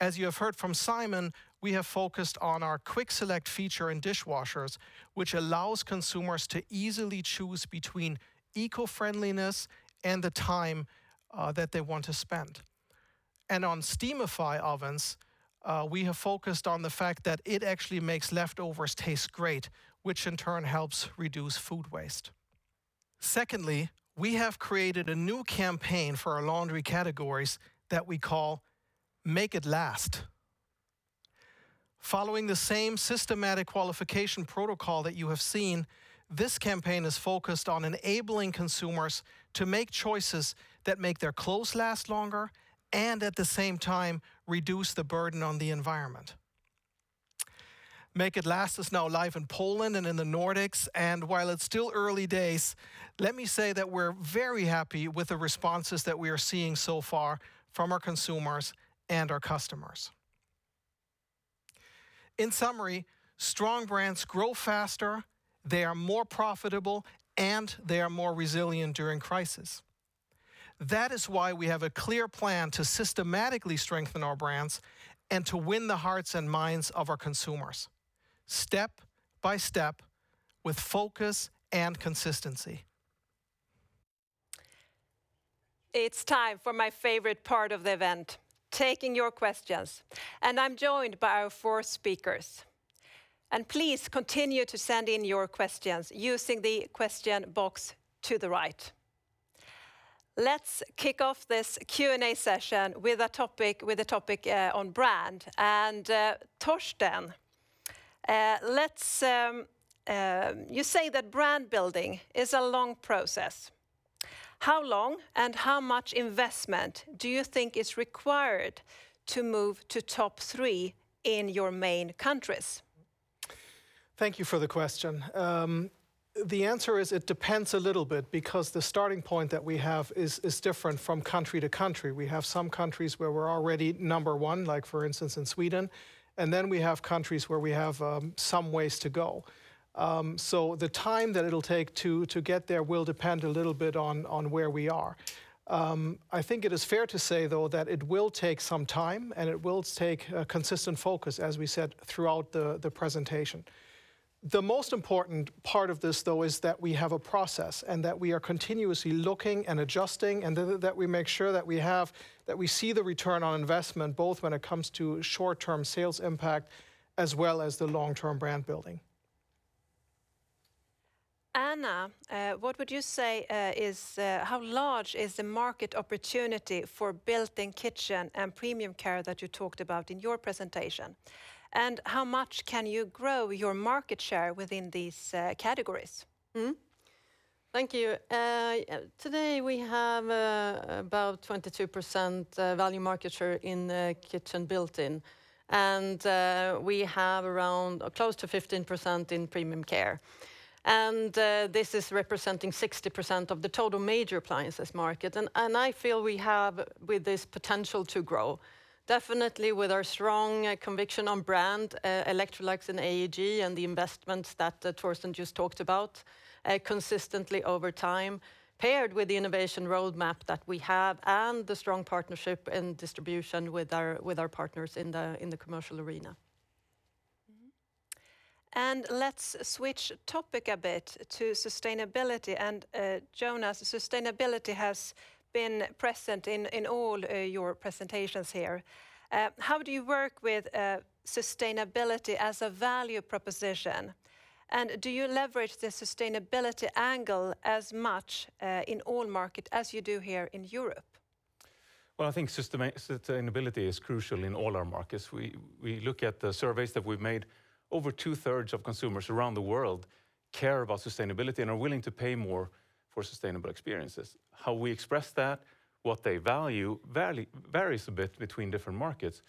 As you have heard from Simon, we have focused on our QuickSelect feature in dishwashers, which allows consumers to easily choose between eco-friendliness and the time that they want to spend. On Steamify ovens, we have focused on the fact that it actually makes leftovers taste great, which in turn helps reduce food waste. Secondly, we have created a new campaign for our laundry categories that we call Make it Last. Following the same systematic qualification protocol that you have seen, this campaign is focused on enabling consumers to make choices that make their clothes last longer and at the same time reduce the burden on the environment. Make it Last is now live in Poland and in the Nordics, and while it's still early days, let me say that we're very happy with the responses that we are seeing so far from our consumers and our customers. In summary, strong brands grow faster, they are more profitable, and they are more resilient during crisis. That is why we have a clear plan to systematically strengthen our brands and to win the hearts and minds of our consumers step by step with focus and consistency. It's time for my favorite part of the event, taking your questions, I'm joined by our four speakers. Please continue to send in your questions using the question box to the right. Let's kick off this Q&A session with a topic on brand. Thorsten, you say that brand building is a long process. How long and how much investment do you think is required to move to top three in your main countries? Thank you for the question. The answer is it depends a little bit because the starting point that we have is different from country to country. We have some countries where we are already number one, like for instance, in Sweden, and then we have countries where we have some ways to go. The time that it will take to get there will depend a little bit on where we are. I think it is fair to say, though, that it will take some time, and it will take a consistent focus, as we said throughout the presentation. The most important part of this, though, is that we have a process and that we are continuously looking and adjusting and that we make sure that we see the return on investment, both when it comes to short-term sales impact as well as the long-term brand building. Anna, how large is the market opportunity for built-in kitchen and premium care that you talked about in your presentation? How much can you grow your market share within these categories? Mm-hmm. Thank you. Today we have about 22% value market share in the kitchen built-in. We have close to 15% in premium care. This is representing 60% of the total major appliances market. I feel we have, with this, potential to grow, definitely with our strong conviction on brand Electrolux and AEG and the investments that Thorsten just talked about consistently over time, paired with the innovation roadmap that we have and the strong partnership and distribution with our partners in the commercial arena. Let's switch topic a bit to sustainability. Jonas, sustainability has been present in all your presentations here. How do you work with sustainability as a value proposition? Do you leverage the sustainability angle as much in all markets as you do here in Europe? Well, I think sustainability is crucial in all our markets. We look at the surveys that we've made. Over two-thirds of consumers around the world care about sustainability and are willing to pay more for sustainable experiences. How we express that, what they value varies a bit between different markets,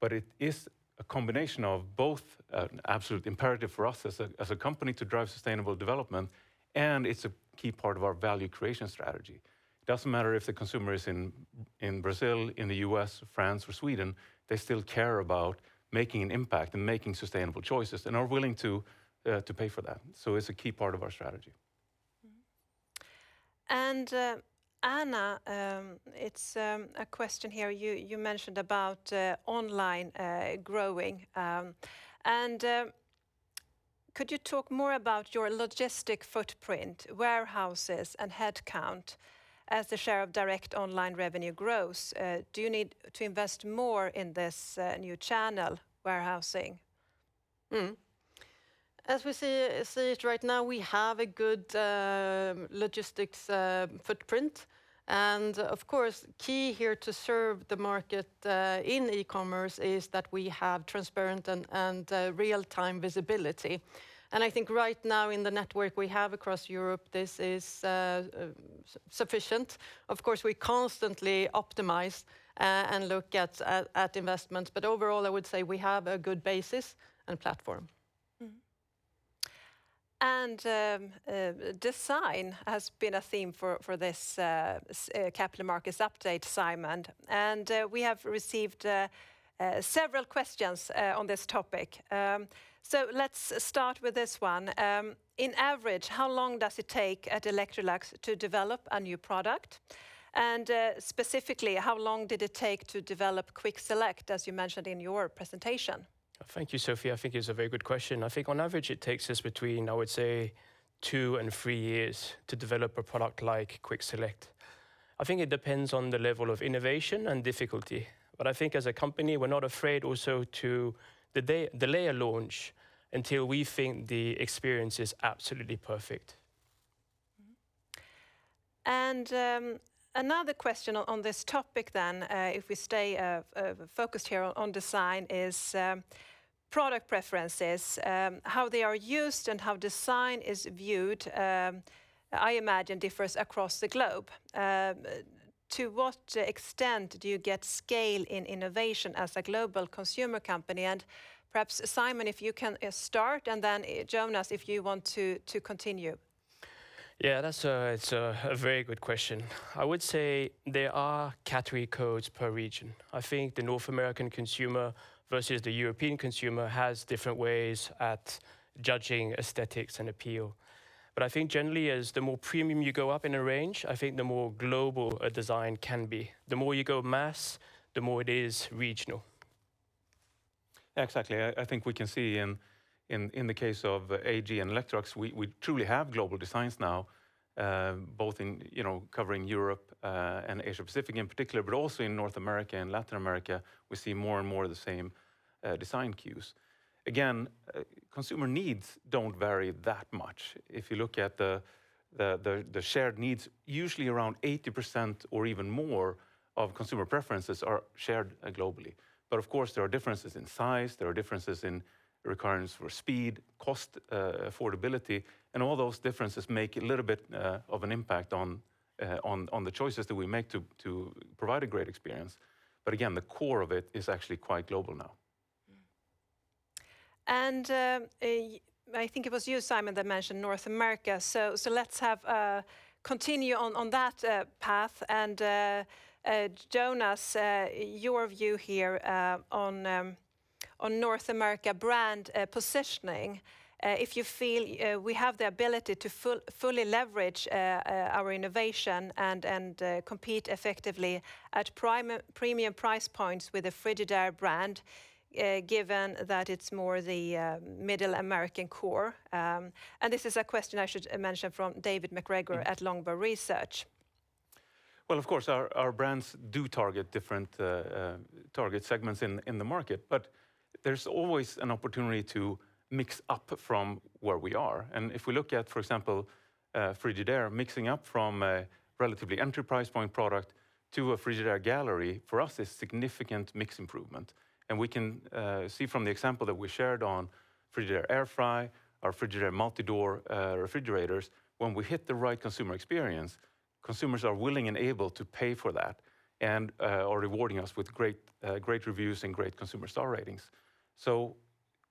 but it is a combination of both an absolute imperative for us as a company to drive sustainable development and it's a key part of our value creation strategy. It doesn't matter if the consumer is in Brazil, in the U.S., France, or Sweden, they still care about making an impact and making sustainable choices and are willing to pay for that. It's a key part of our strategy. Anna, it's a question here you mentioned about online growing. Could you talk more about your logistic footprint, warehouses, and headcount as the share of direct online revenue grows? Do you need to invest more in this new channel, warehousing? As we see it right now, we have a good logistics footprint. Of course, key here to serve the market in e-commerce is that we have transparent and real-time visibility. I think right now in the network we have across Europe, this is sufficient. Of course, we constantly optimize and look at investments. Overall, I would say we have a good basis and platform. Design has been a theme for this capital markets update, Simon. We have received several questions on this topic. Let's start with this one. In average, how long does it take at Electrolux to develop a new product? Specifically, how long did it take to develop QuickSelect, as you mentioned in your presentation? Thank you, Sofie. I think it's a very good question. I think on average, it takes us between, I would say, two and three years to develop a product like QuickSelect. I think it depends on the level of innovation and difficulty. I think as a company, we're not afraid also to delay a launch until we think the experience is absolutely perfect. Another question on this topic then, if we stay focused here on design is product preferences, how they are used and how design is viewed, I imagine differs across the globe. To what extent do you get scale in innovation as a global consumer company? Perhaps, Simon, if you can start, and then Jonas, if you want to continue. Yeah, that's a very good question. I would say there are category codes per region. I think the North American consumer versus the European consumer has different ways at judging aesthetics and appeal. I think generally as the more premium you go up in a range, I think the more global a design can be. The more you go mass, the more it is regional. Exactly. I think we can see in the case of AEG and Electrolux, we truly have global designs now, both in covering Europe and Asia Pacific in particular, but also in North America and Latin America, we see more and more of the same design cues. Again, consumer needs don't vary that much. If you look at the shared needs, usually around 80% or even more of consumer preferences are shared globally. Of course, there are differences in size, there are differences in recurrence for speed, cost affordability, and all those differences make a little bit of an impact on the choices that we make to provide a great experience. Again, the core of it is actually quite global now. I think it was you, Simon, that mentioned North America. Let's continue on that path and, Jonas, your view here on North America brand positioning if you feel we have the ability to fully leverage our innovation and compete effectively at premium price points with the Frigidaire brand, given that it's more the middle American core. This is a question I should mention from David MacGregor at Longbow Research. Of course, our brands do target different target segments in the market. There's always an opportunity to mix up from where we are. If we look at, for example Frigidaire, mixing up from a relatively entry price point product to a Frigidaire Gallery, for us, is significant mix improvement. We can see from the example that we shared on Frigidaire Air Fry, our Frigidaire multi-door refrigerators, when we hit the right consumer experience, consumers are willing and able to pay for that and are rewarding us with great reviews and great consumer star ratings.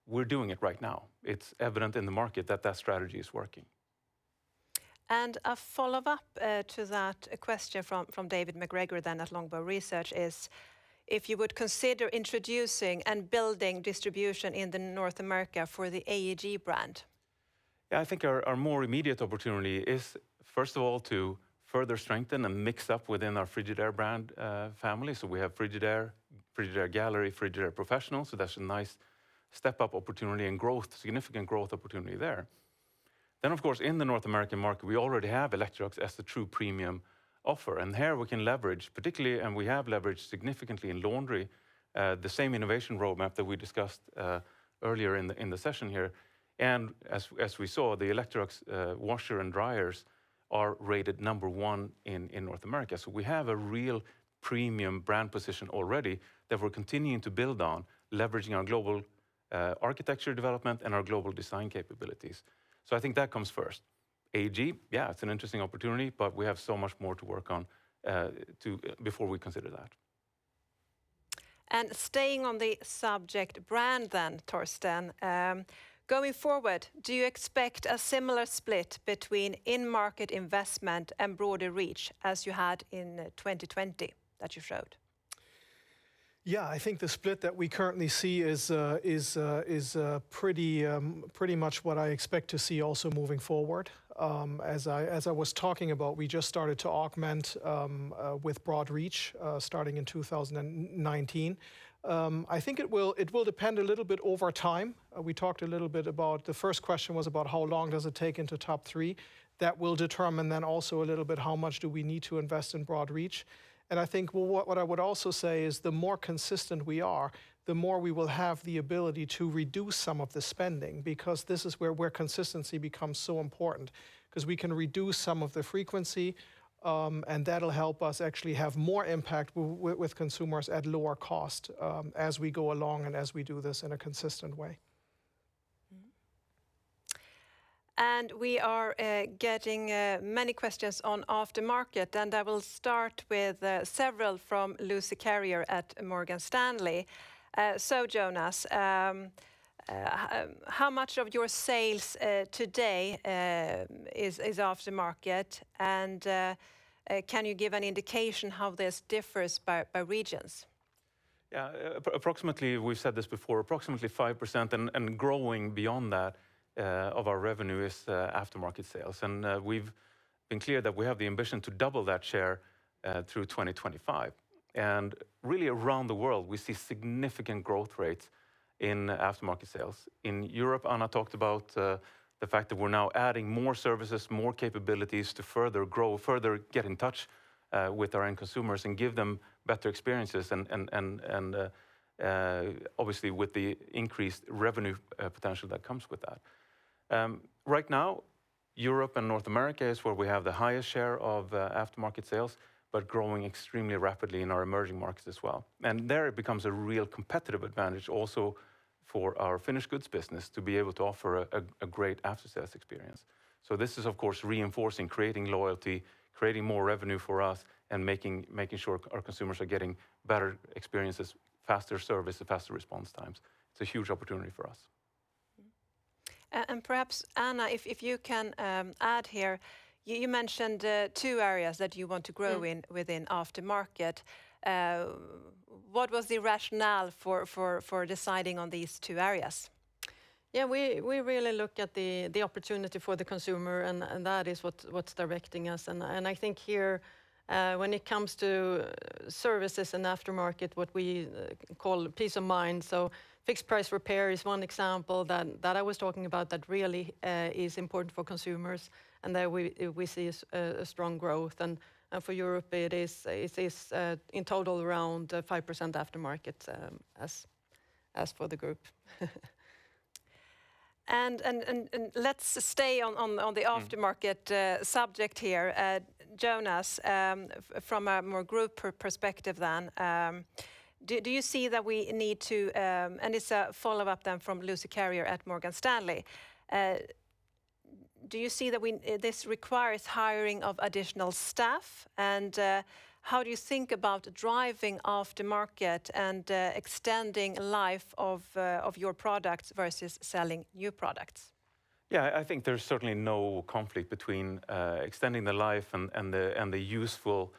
We're doing it right now. It's evident in the market that that strategy is working. A follow-up to that question from David MacGregor then at Longbow Research is if you would consider introducing and building distribution in North America for the AEG brand. Yeah, I think our more immediate opportunity is, first of all, to further strengthen and mix up within our Frigidaire brand family. We have Frigidaire Gallery, Frigidaire Professional, so that's a nice step-up opportunity and significant growth opportunity there. Of course, in the North American market, we already have Electrolux as the true premium offer. Here we can leverage particularly, and we have leveraged significantly in laundry the same innovation roadmap that we discussed earlier in the session here. As we saw, the Electrolux washer and dryers are rated number one in North America. We have a real premium brand position already that we're continuing to build on, leveraging our global architecture development and our global design capabilities. I think that comes first. AEG, yeah, it's an interesting opportunity, we have so much more to work on before we consider that. Staying on the subject brand then, Thorsten, going forward, do you expect a similar split between in-market investment and broader reach as you had in 2020 that you showed? Yeah, I think the split that we currently see is pretty much what I expect to see also moving forward. As I was talking about, we just started to augment with broad reach starting in 2019. I think it will depend a little bit over time. We talked a little bit about the first question was about how long does it take into top three. That will determine then also a little bit how much do we need to invest in broad reach. I think what I would also say is the more consistent we are, the more we will have the ability to reduce some of the spending, because this is where consistency becomes so important because we can reduce some of the frequency, and that'll help us actually have more impact with consumers at lower cost as we go along and as we do this in a consistent way. We are getting many questions on aftermarket, and I will start with several from Lucie Carrier at Morgan Stanley. Jonas, how much of your sales today is aftermarket, and can you give an indication how this differs by regions? Yeah. We've said this before, approximately 5%, and growing beyond that of our revenue is aftermarket sales. We've been clear that we have the ambition to double that share through 2025. Really around the world, we see significant growth rates in aftermarket sales. In Europe, Anna talked about the fact that we're now adding more services, more capabilities to further get in touch with our end consumers and give them better experiences, obviously with the increased revenue potential that comes with that. Right now, Europe and North America is where we have the highest share of aftermarket sales, but growing extremely rapidly in our emerging markets as well. There it becomes a real competitive advantage also for our finished goods business to be able to offer a great after-sales experience. This is of course reinforcing, creating loyalty, creating more revenue for us, and making sure our consumers are getting better experiences, faster service, and faster response times. It's a huge opportunity for us. Perhaps, Anna, if you can add here, you mentioned two areas that you want to grow in within aftermarket. What was the rationale for deciding on these two areas? We really look at the opportunity for the consumer, and that is what's directing us. I think here, when it comes to services and aftermarket, what we call peace of mind, so fixed price repair is one example that I was talking about that really is important for consumers, and there we see a strong growth. For Europe, it is in total around 5% aftermarket as for the group. Let's stay on the aftermarket subject here. Jonas, from a more group perspective then, it's a follow-up then from Lucie Carrier at Morgan Stanley, do you see that this requires hiring of additional staff? How do you think about driving aftermarket and extending life of your products versus selling new products? Yeah, I think there's certainly no conflict between extending the life and the useful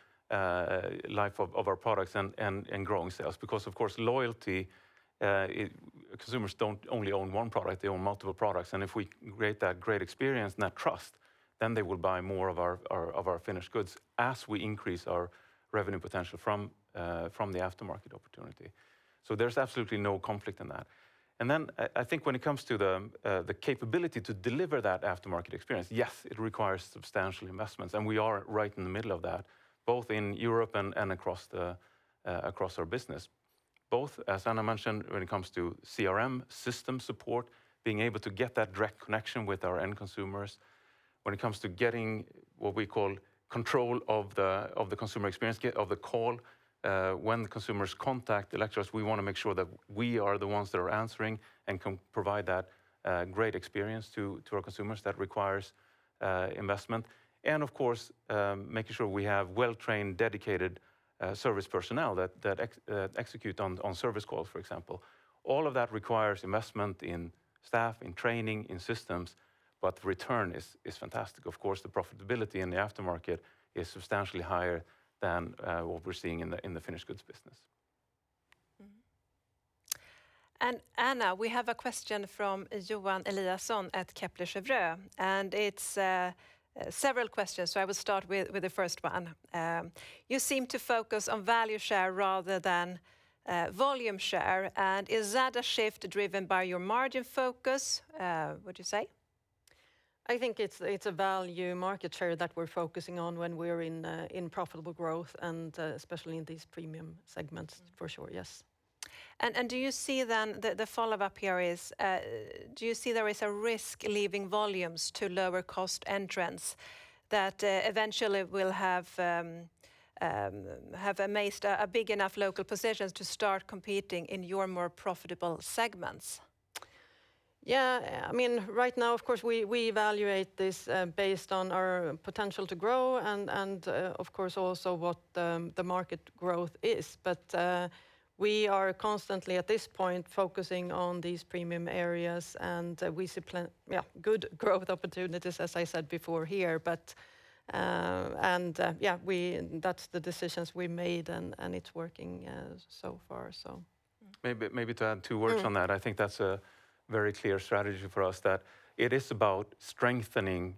life of our products and growing sales because, of course, loyalty, consumers don't only own one product, they own multiple products. If we create that great experience and that trust, then they will buy more of our finished goods as we increase our revenue potential from the aftermarket opportunity. There's absolutely no conflict in that. Then I think when it comes to the capability to deliver that aftermarket experience, yes, it requires substantial investments, and we are right in the middle of that, both in Europe and across our business. Both, as Anna mentioned, when it comes to CRM system support, being able to get that direct connection with our end consumers, when it comes to getting what we call control of the consumer experience of the call, when the consumers contact Electrolux, we want to make sure that we are the ones that are answering and can provide that great experience to our consumers. That requires investment. Of course, making sure we have well-trained, dedicated service personnel that execute on service calls, for example. All of that requires investment in staff, in training, in systems, but the return is fantastic. Of course, the profitability in the aftermarket is substantially higher than what we're seeing in the finished goods business. Mm-hmm. Anna, we have a question from Johan Eliason at Kepler Cheuvreux. It's several questions, so I will start with the first one. You seem to focus on value share rather than volume share. Is that a shift driven by your margin focus, would you say? I think it's a value market share that we're focusing on when we're in profitable growth and especially in these premium segments, for sure. Yes. The follow-up here is, do you see there is a risk leaving volumes to lower cost entrants that eventually will have amassed a big enough local positions to start competing in your more profitable segments? Yeah. Right now, of course, we evaluate this based on our potential to grow and of course also what the market growth is. We are constantly, at this point, focusing on these premium areas, and we see good growth opportunities, as I said before here. That's the decisions we made, and it's working so far. Maybe to add two words on that, I think that is a very clear strategy for us, that it is about strengthening,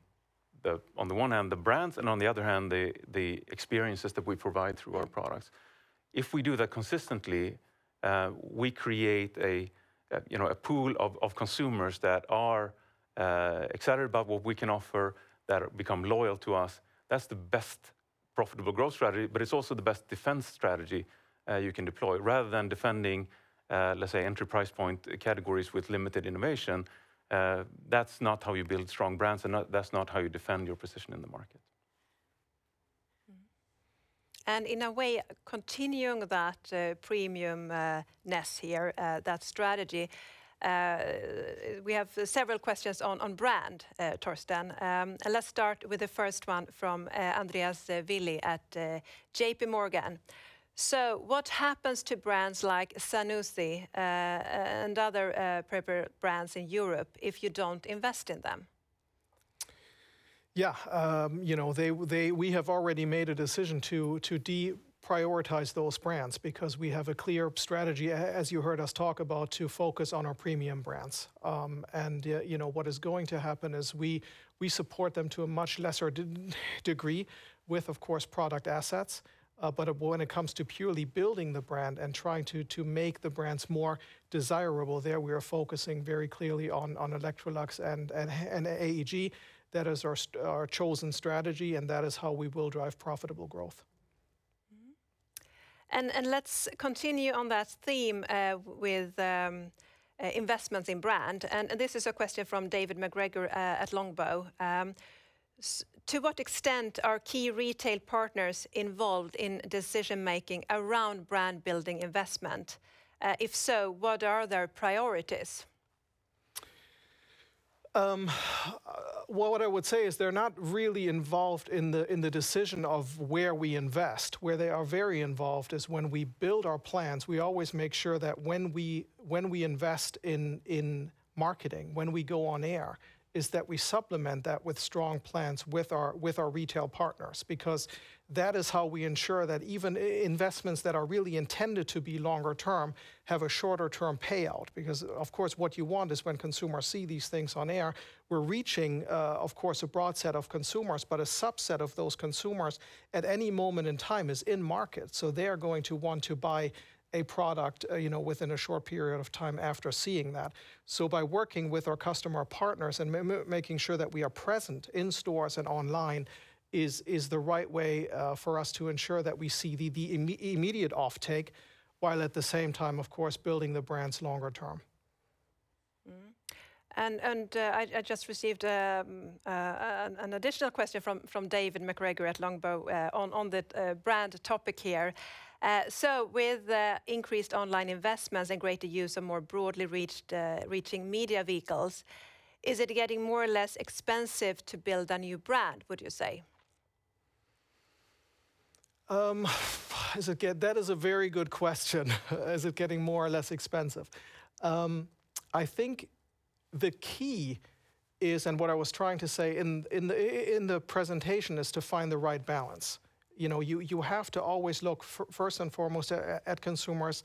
on the one hand, the brands, and on the other hand, the experiences that we provide through our products. If we do that consistently, we create a pool of consumers that are excited about what we can offer, that become loyal to us. That is the best profitable growth strategy, but it is also the best defense strategy you can deploy. Rather than defending, let us say, entry price point categories with limited innovation, that is not how you build strong brands, and that is not how you defend your position in the market. In a way, continuing that premiumness here, that strategy, we have several questions on brand, Thorsten. Let's start with the first one from [Andreas Willi] at JPMorgan. What happens to brands like Zanussi and other peripheral brands in Europe if you don't invest in them? Yeah. We have already made a decision to deprioritize those brands because we have a clear strategy, as you heard us talk about, to focus on our premium brands. What is going to happen is we support them to a much lesser degree with, of course, product assets. When it comes to purely building the brand and trying to make the brands more desirable, there we are focusing very clearly on Electrolux and AEG. That is our chosen strategy, and that is how we will drive profitable growth. Let's continue on that theme with investments in brand. This is a question from David MacGregor at Longbow. To what extent are key retail partners involved in decision making around brand building investment? If so, what are their priorities? Well, what I would say is they're not really involved in the decision of where we invest. Where they are very involved is when we build our plans, we always make sure that when we invest in marketing, when we go on air, is that we supplement that with strong plans with our retail partners because that is how we ensure that even investments that are really intended to be longer term have a shorter-term payout. Of course, what you want is when consumers see these things on air, we're reaching, of course, a broad set of consumers, but a subset of those consumers at any moment in time is in market. They are going to want to buy a product within a short period of time after seeing that. By working with our customer partners and making sure that we are present in stores and online is the right way for us to ensure that we see the immediate off take while at the same time, of course, building the brands longer term. Mm-hmm. I just received an additional question from David MacGregor at Longbow on the brand topic here. With increased online investments and greater use of more broadly reaching media vehicles, is it getting more or less expensive to build a new brand, would you say? That is a very good question. Is it getting more or less expensive? I think the key is, and what I was trying to say in the presentation, is to find the right balance. You have to always look first and foremost at consumers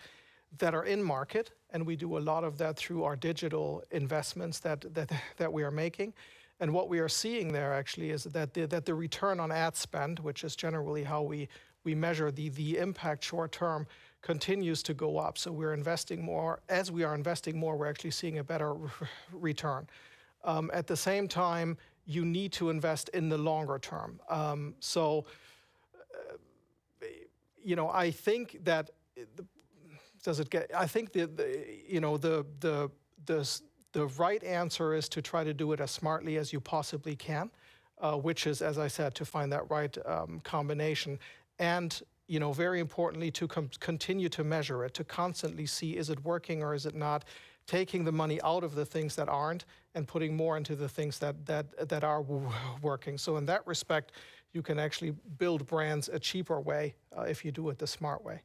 that are in market, and we do a lot of that through our digital investments that we are making. What we are seeing there actually is that the return on ad spend, which is generally how we measure the impact short term, continues to go up. As we are investing more, we're actually seeing a better return. At the same time, you need to invest in the longer term. I think the right answer is to try to do it as smartly as you possibly can, which is, as I said, to find that right combination and very importantly, to continue to measure it, to constantly see is it working or is it not, taking the money out of the things that aren't and putting more into the things that are working. In that respect, you can actually build brands a cheaper way, if you do it the smart way.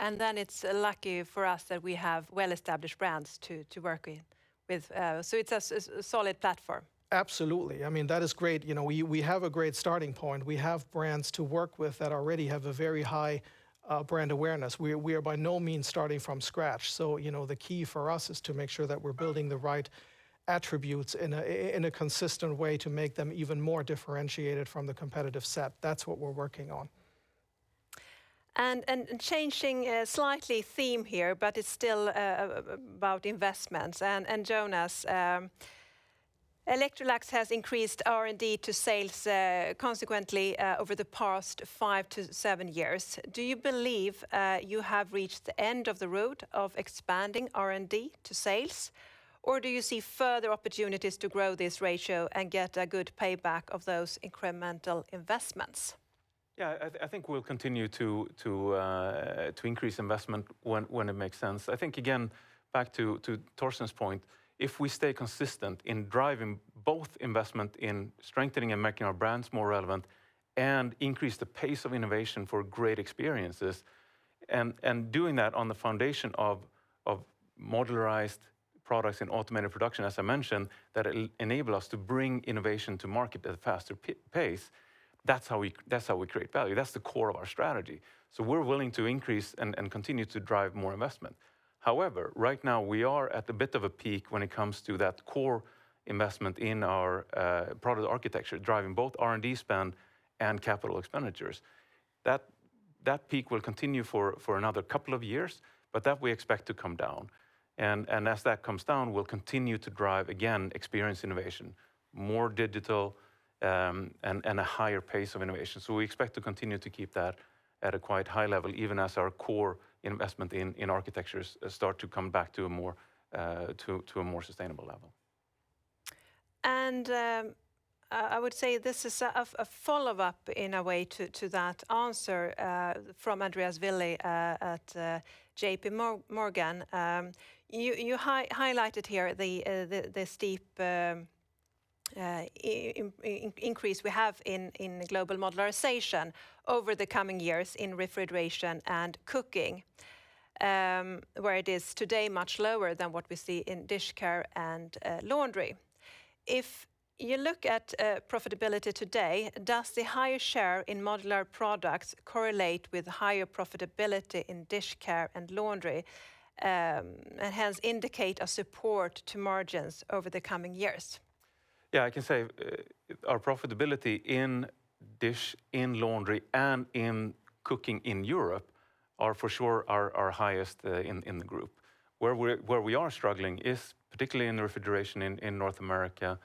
It's lucky for us that we have well-established brands to work with. It's a solid platform. Absolutely. That is great. We have a great starting point. We have brands to work with that already have a very high brand awareness. We are by no means starting from scratch. The key for us is to make sure that we're building the right attributes in a consistent way to make them even more differentiated from the competitive set. That's what we're working on. Changing slightly theme here, but it's still about investments. Jonas, Electrolux has increased R&D to sales consequently over the past five to seven years. Do you believe you have reached the end of the road of expanding R&D to sales, or do you see further opportunities to grow this ratio and get a good payback of those incremental investments? I think we'll continue to increase investment when it makes sense. Back to Thorsten's point, if we stay consistent in driving both investment in strengthening and making our brands more relevant and increase the pace of innovation for great experiences and doing that on the foundation of modularized products and automated production, as I mentioned, that enable us to bring innovation to market at a faster pace, that's how we create value. That's the core of our strategy. We're willing to increase and continue to drive more investment. However, right now we are at a bit of a peak when it comes to that core investment in our product architecture, driving both R&D spend and capital expenditures. That peak will continue for another couple of years, but that we expect to come down. As that comes down, we'll continue to drive, again, experience innovation, more digital, and a higher pace of innovation. We expect to continue to keep that at a quite high level, even as our core investment in architectures start to come back to a more sustainable level. I would say this is a follow-up in a way to that answer from [Andreas Willi] at JPMorgan. You highlighted here the steep increase we have in global modularization over the coming years in refrigeration and cooking, where it is today much lower than what we see in dish care and laundry. If you look at profitability today, does the higher share in modular products correlate with higher profitability in dish care and laundry, and hence indicate a support to margins over the coming years? Yeah, I can say our profitability in dish, in laundry, and in cooking in Europe are for sure our highest in the group. Where we are struggling is particularly in refrigeration in North America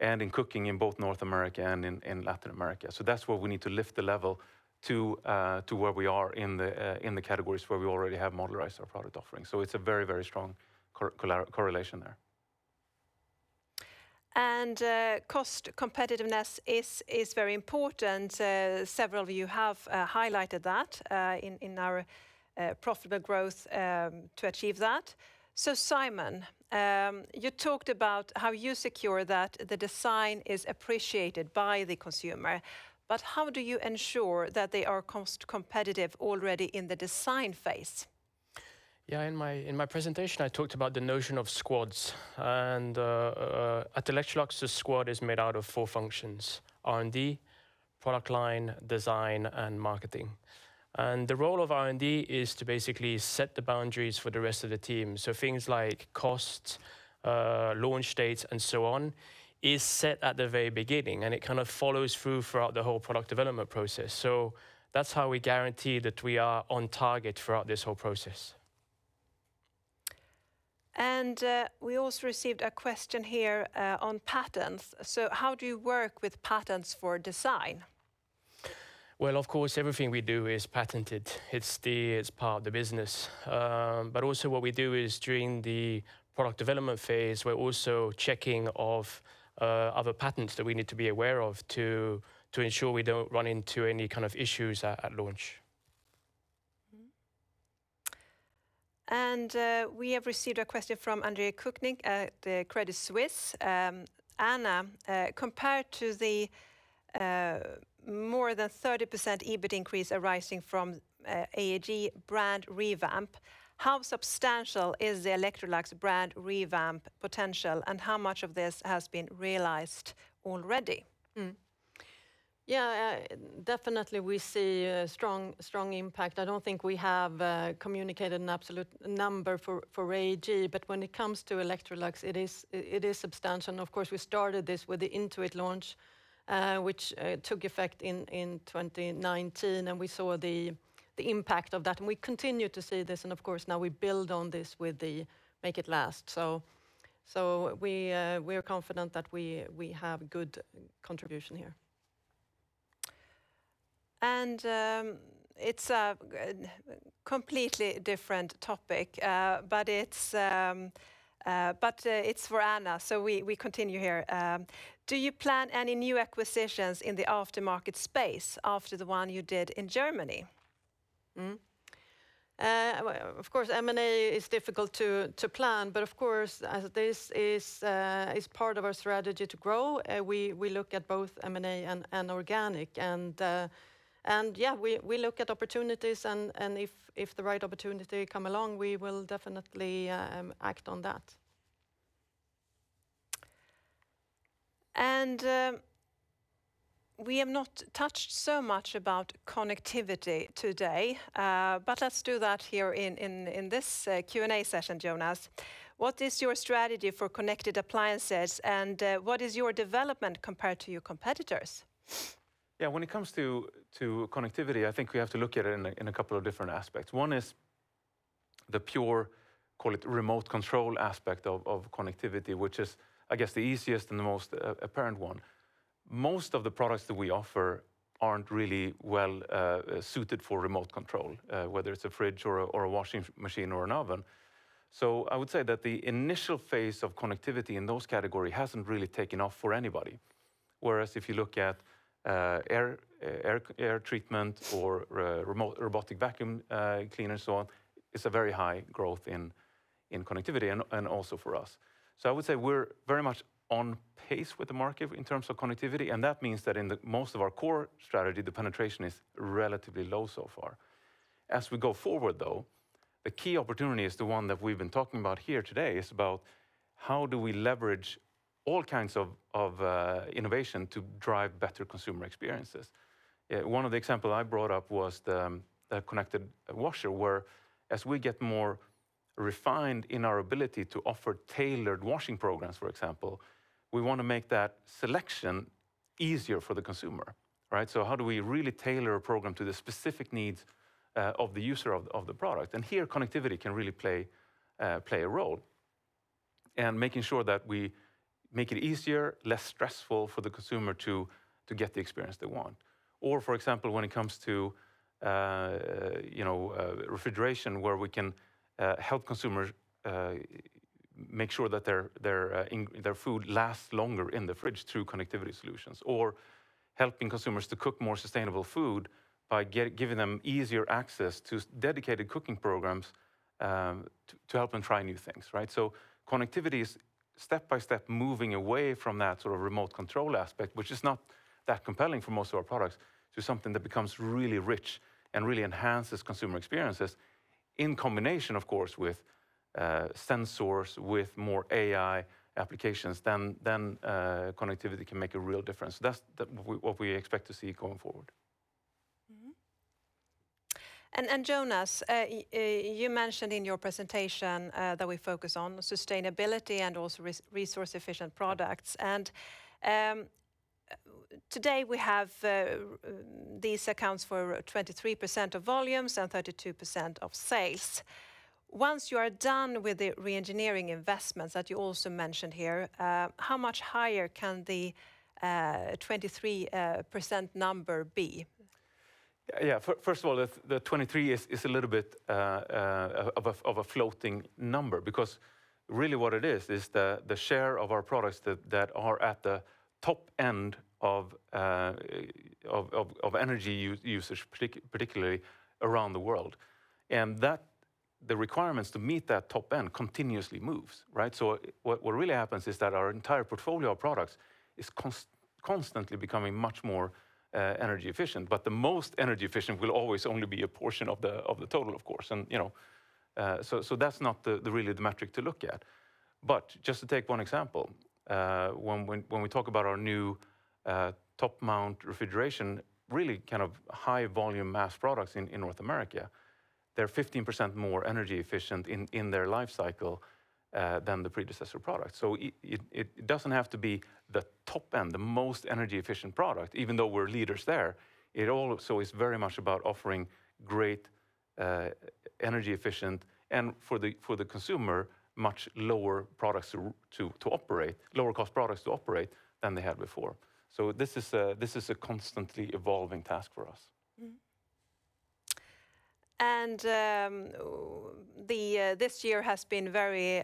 and in cooking in both North America and in Latin America. That's where we need to lift the level to where we are in the categories where we already have modularized our product offering. It's a very strong correlation there. Cost competitiveness is very important. Several of you have highlighted that in our profitable growth to achieve that. Simon, you talked about how you secure that the design is appreciated by the consumer, but how do you ensure that they are cost competitive already in the design phase? In my presentation, I talked about the notion of squads. At Electrolux, the squad is made out of four functions: R&D, product line, design, and marketing. The role of R&D is to basically set the boundaries for the rest of the team. Things like cost, launch dates, and so on is set at the very beginning, and it follows through throughout the whole product development process. That's how we guarantee that we are on target throughout this whole process. We also received a question here on patents. How do you work with patents for design? Well, of course, everything we do is patented. It is part of the business. Also what we do is during the product development phase, we are also checking of other patents that we need to be aware of to ensure we do not run into any kind of issues at launch. We have received a question from Andre Kukhnin at Credit Suisse. Anna, compared to the more than 30% EBIT increase arising from AEG brand revamp, how substantial is the Electrolux brand revamp potential, and how much of this has been realized already? Definitely, we see a strong impact. I don't think we have communicated an absolute number for AEG, but when it comes to Electrolux, it is substantial. Of course, we started this with the Intuit launch, which took effect in 2019, and we saw the impact of that, and we continue to see this. Of course, now we build on this with the Make it Last. We are confident that we have good contribution here. It's a completely different topic, but it's for Anna. We continue here. Do you plan any new acquisitions in the aftermarket space after the one you did in Germany? Of course, M&A is difficult to plan, but of course, this is part of our strategy to grow. We look at both M&A and organic. Yeah, we look at opportunities and if the right opportunity come along, we will definitely act on that. We have not touched so much about connectivity today, but let's do that here in this Q&A session, Jonas. What is your strategy for connected appliances, and what is your development compared to your competitors? When it comes to connectivity, I think we have to look at it in a couple of different aspects. One is the pure, call it remote control aspect of connectivity, which is, I guess, the easiest and the most apparent one. Most of the products that we offer aren't really well suited for remote control whether it's a fridge or a washing machine or an oven. I would say that the initial phase of connectivity in those categories hasn't really taken off for anybody. Whereas if you look at air treatment or robotic vacuum cleaner and so on, it's a very high growth in connectivity and also for us. I would say we're very much on pace with the market in terms of connectivity, and that means that in most of our core strategy, the penetration is relatively low so far. As we go forward, the key opportunity is the one that we've been talking about here today is about how do we leverage all kinds of innovation to drive better consumer experiences. One of the example I brought up was the connected washer, where as we get more refined in our ability to offer tailored washing programs, for example, we want to make that selection easier for the consumer, right? How do we really tailor a program to the specific needs of the user of the product? Here, connectivity can really play a role in making sure that we make it easier, less stressful for the consumer to get the experience they want. For example, when it comes to refrigeration, where we can help consumers make sure that their food lasts longer in the fridge through connectivity solutions, or helping consumers to cook more sustainable food by giving them easier access to dedicated cooking programs to help them try new things. Connectivity is step by step moving away from that remote control aspect, which is not that compelling for most of our products, to something that becomes really rich and really enhances consumer experiences in combination, of course, with sensors, with more AI applications, then connectivity can make a real difference. That's what we expect to see going forward. Mm-hmm. Jonas, you mentioned in your presentation that we focus on sustainability and also resource-efficient products. Today, we have these accounts for 23% of volumes and 32% of sales. Once you are done with the re-engineering investments that you also mentioned here, how much higher can the 23% number be? First of all, the 23 is a little bit of a floating number because really what it is the share of our products that are at the top end of energy usage, particularly around the world. The requirements to meet that top end continuously moves. What really happens is that our entire portfolio of products is constantly becoming much more energy efficient, but the most energy efficient will always only be a portion of the total, of course. That's not really the metric to look at. Just to take one example when we talk about our new top mount refrigeration, really kind of high volume mass products in North America, they're 15% more energy efficient in their life cycle than the predecessor product. It doesn't have to be the top end, the most energy efficient product, even though we're leaders there. It also is very much about offering great energy efficient and for the consumer, much lower cost products to operate than they had before. This is a constantly evolving task for us. This year has been very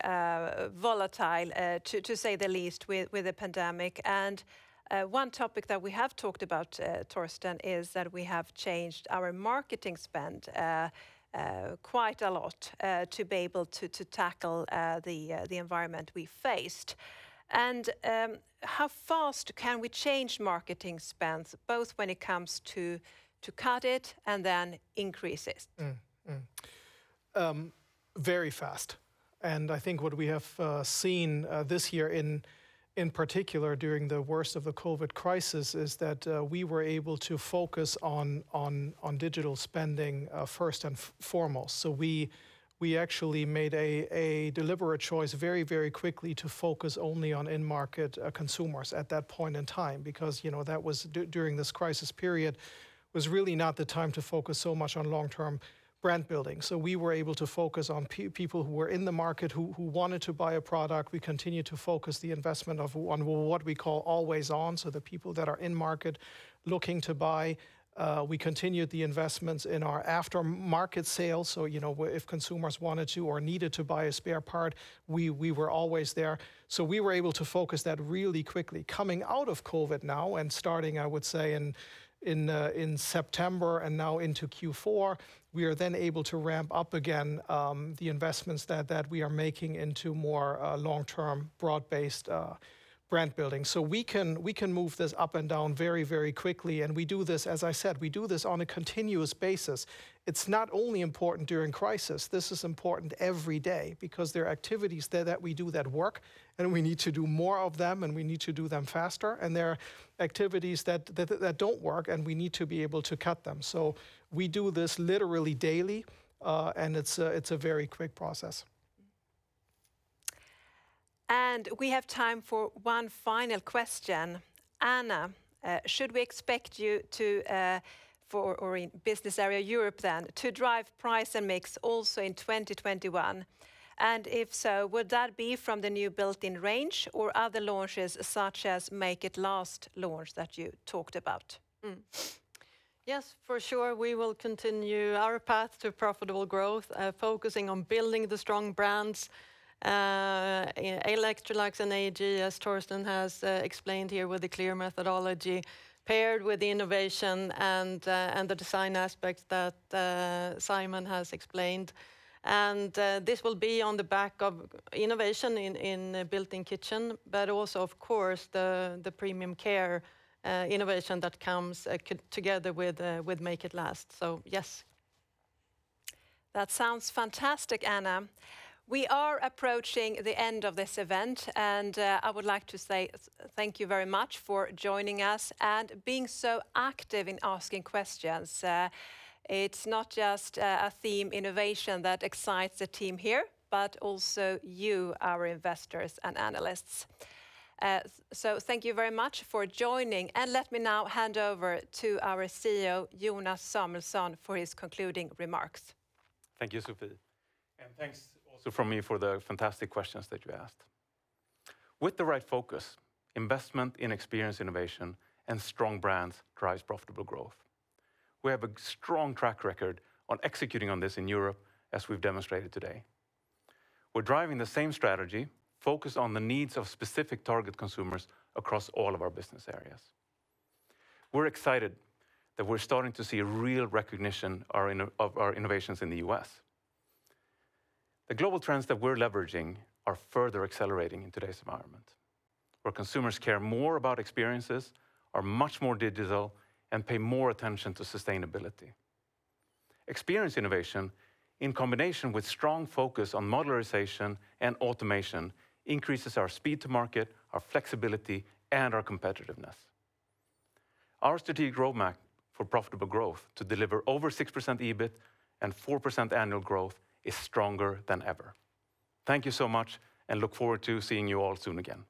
volatile, to say the least, with the pandemic. One topic that we have talked about, Thorsten, is that we have changed our marketing spend quite a lot to be able to tackle the environment we faced. How fast can we change marketing spends, both when it comes to cut it and then increase it? Very fast. I think what we have seen this year in particular during the worst of the COVID crisis is that we were able to focus on digital spending first and foremost. We actually made a deliberate choice very, very quickly to focus only on end market consumers at that point in time because that was during this crisis period, was really not the time to focus so much on long-term brand building. We were able to focus on people who were in the market who wanted to buy a product. We continued to focus the investment on what we call always on, so the people that are in market looking to buy. We continued the investments in our aftermarket sales. If consumers wanted to or needed to buy a spare part, we were always there. We were able to focus that really quickly. Coming out of COVID now and starting, I would say in September and now into Q4, we are then able to ramp up again the investments that we are making into more long-term, broad-based brand building. We can move this up and down very, very quickly and as I said, we do this on a continuous basis. It's not only important during crisis. This is important every day because there are activities there that we do that work, and we need to do more of them, and we need to do them faster, and there are activities that don't work, and we need to be able to cut them. We do this literally daily, and it's a very quick process. We have time for one final question. Anna, should we expect you to, for our Business Area Europe, to drive price and mix also in 2021? If so, would that be from the new built-in range or other launches such as Make it Last launch that you talked about? Yes, for sure. We will continue our path to profitable growth focusing on building the strong brands, Electrolux and AEG, as Thorsten has explained here with a clear methodology paired with the innovation and the design aspects that Simon has explained. This will be on the back of innovation in built-in kitchen, but also, of course, the premium care innovation that comes together with Make it Last. Yes. That sounds fantastic, Anna. We are approaching the end of this event, and I would like to say thank you very much for joining us and being so active in asking questions. It's not just a theme innovation that excites the team here, but also you, our investors and analysts. Thank you very much for joining, and let me now hand over to our CEO, Jonas Samuelson, for his concluding remarks. Thank you, Sofie. And thanks also from me for the fantastic questions that you asked. With the right focus, investment in experience innovation and strong brands drives profitable growth. We have a strong track record on executing on this in Europe, as we've demonstrated today. We're driving the same strategy focused on the needs of specific target consumers across all of our business areas. We're excited that we're starting to see a real recognition of our innovations in the U.S. The global trends that we're leveraging are further accelerating in today's environment, where consumers care more about experiences, are much more digital, and pay more attention to sustainability. Experience innovation in combination with strong focus on modularization and automation increases our speed to market, our flexibility, and our competitiveness. Our strategic roadmap for profitable growth to deliver over 6% EBIT and 4% annual growth is stronger than ever. Thank you so much. Look forward to seeing you all soon again.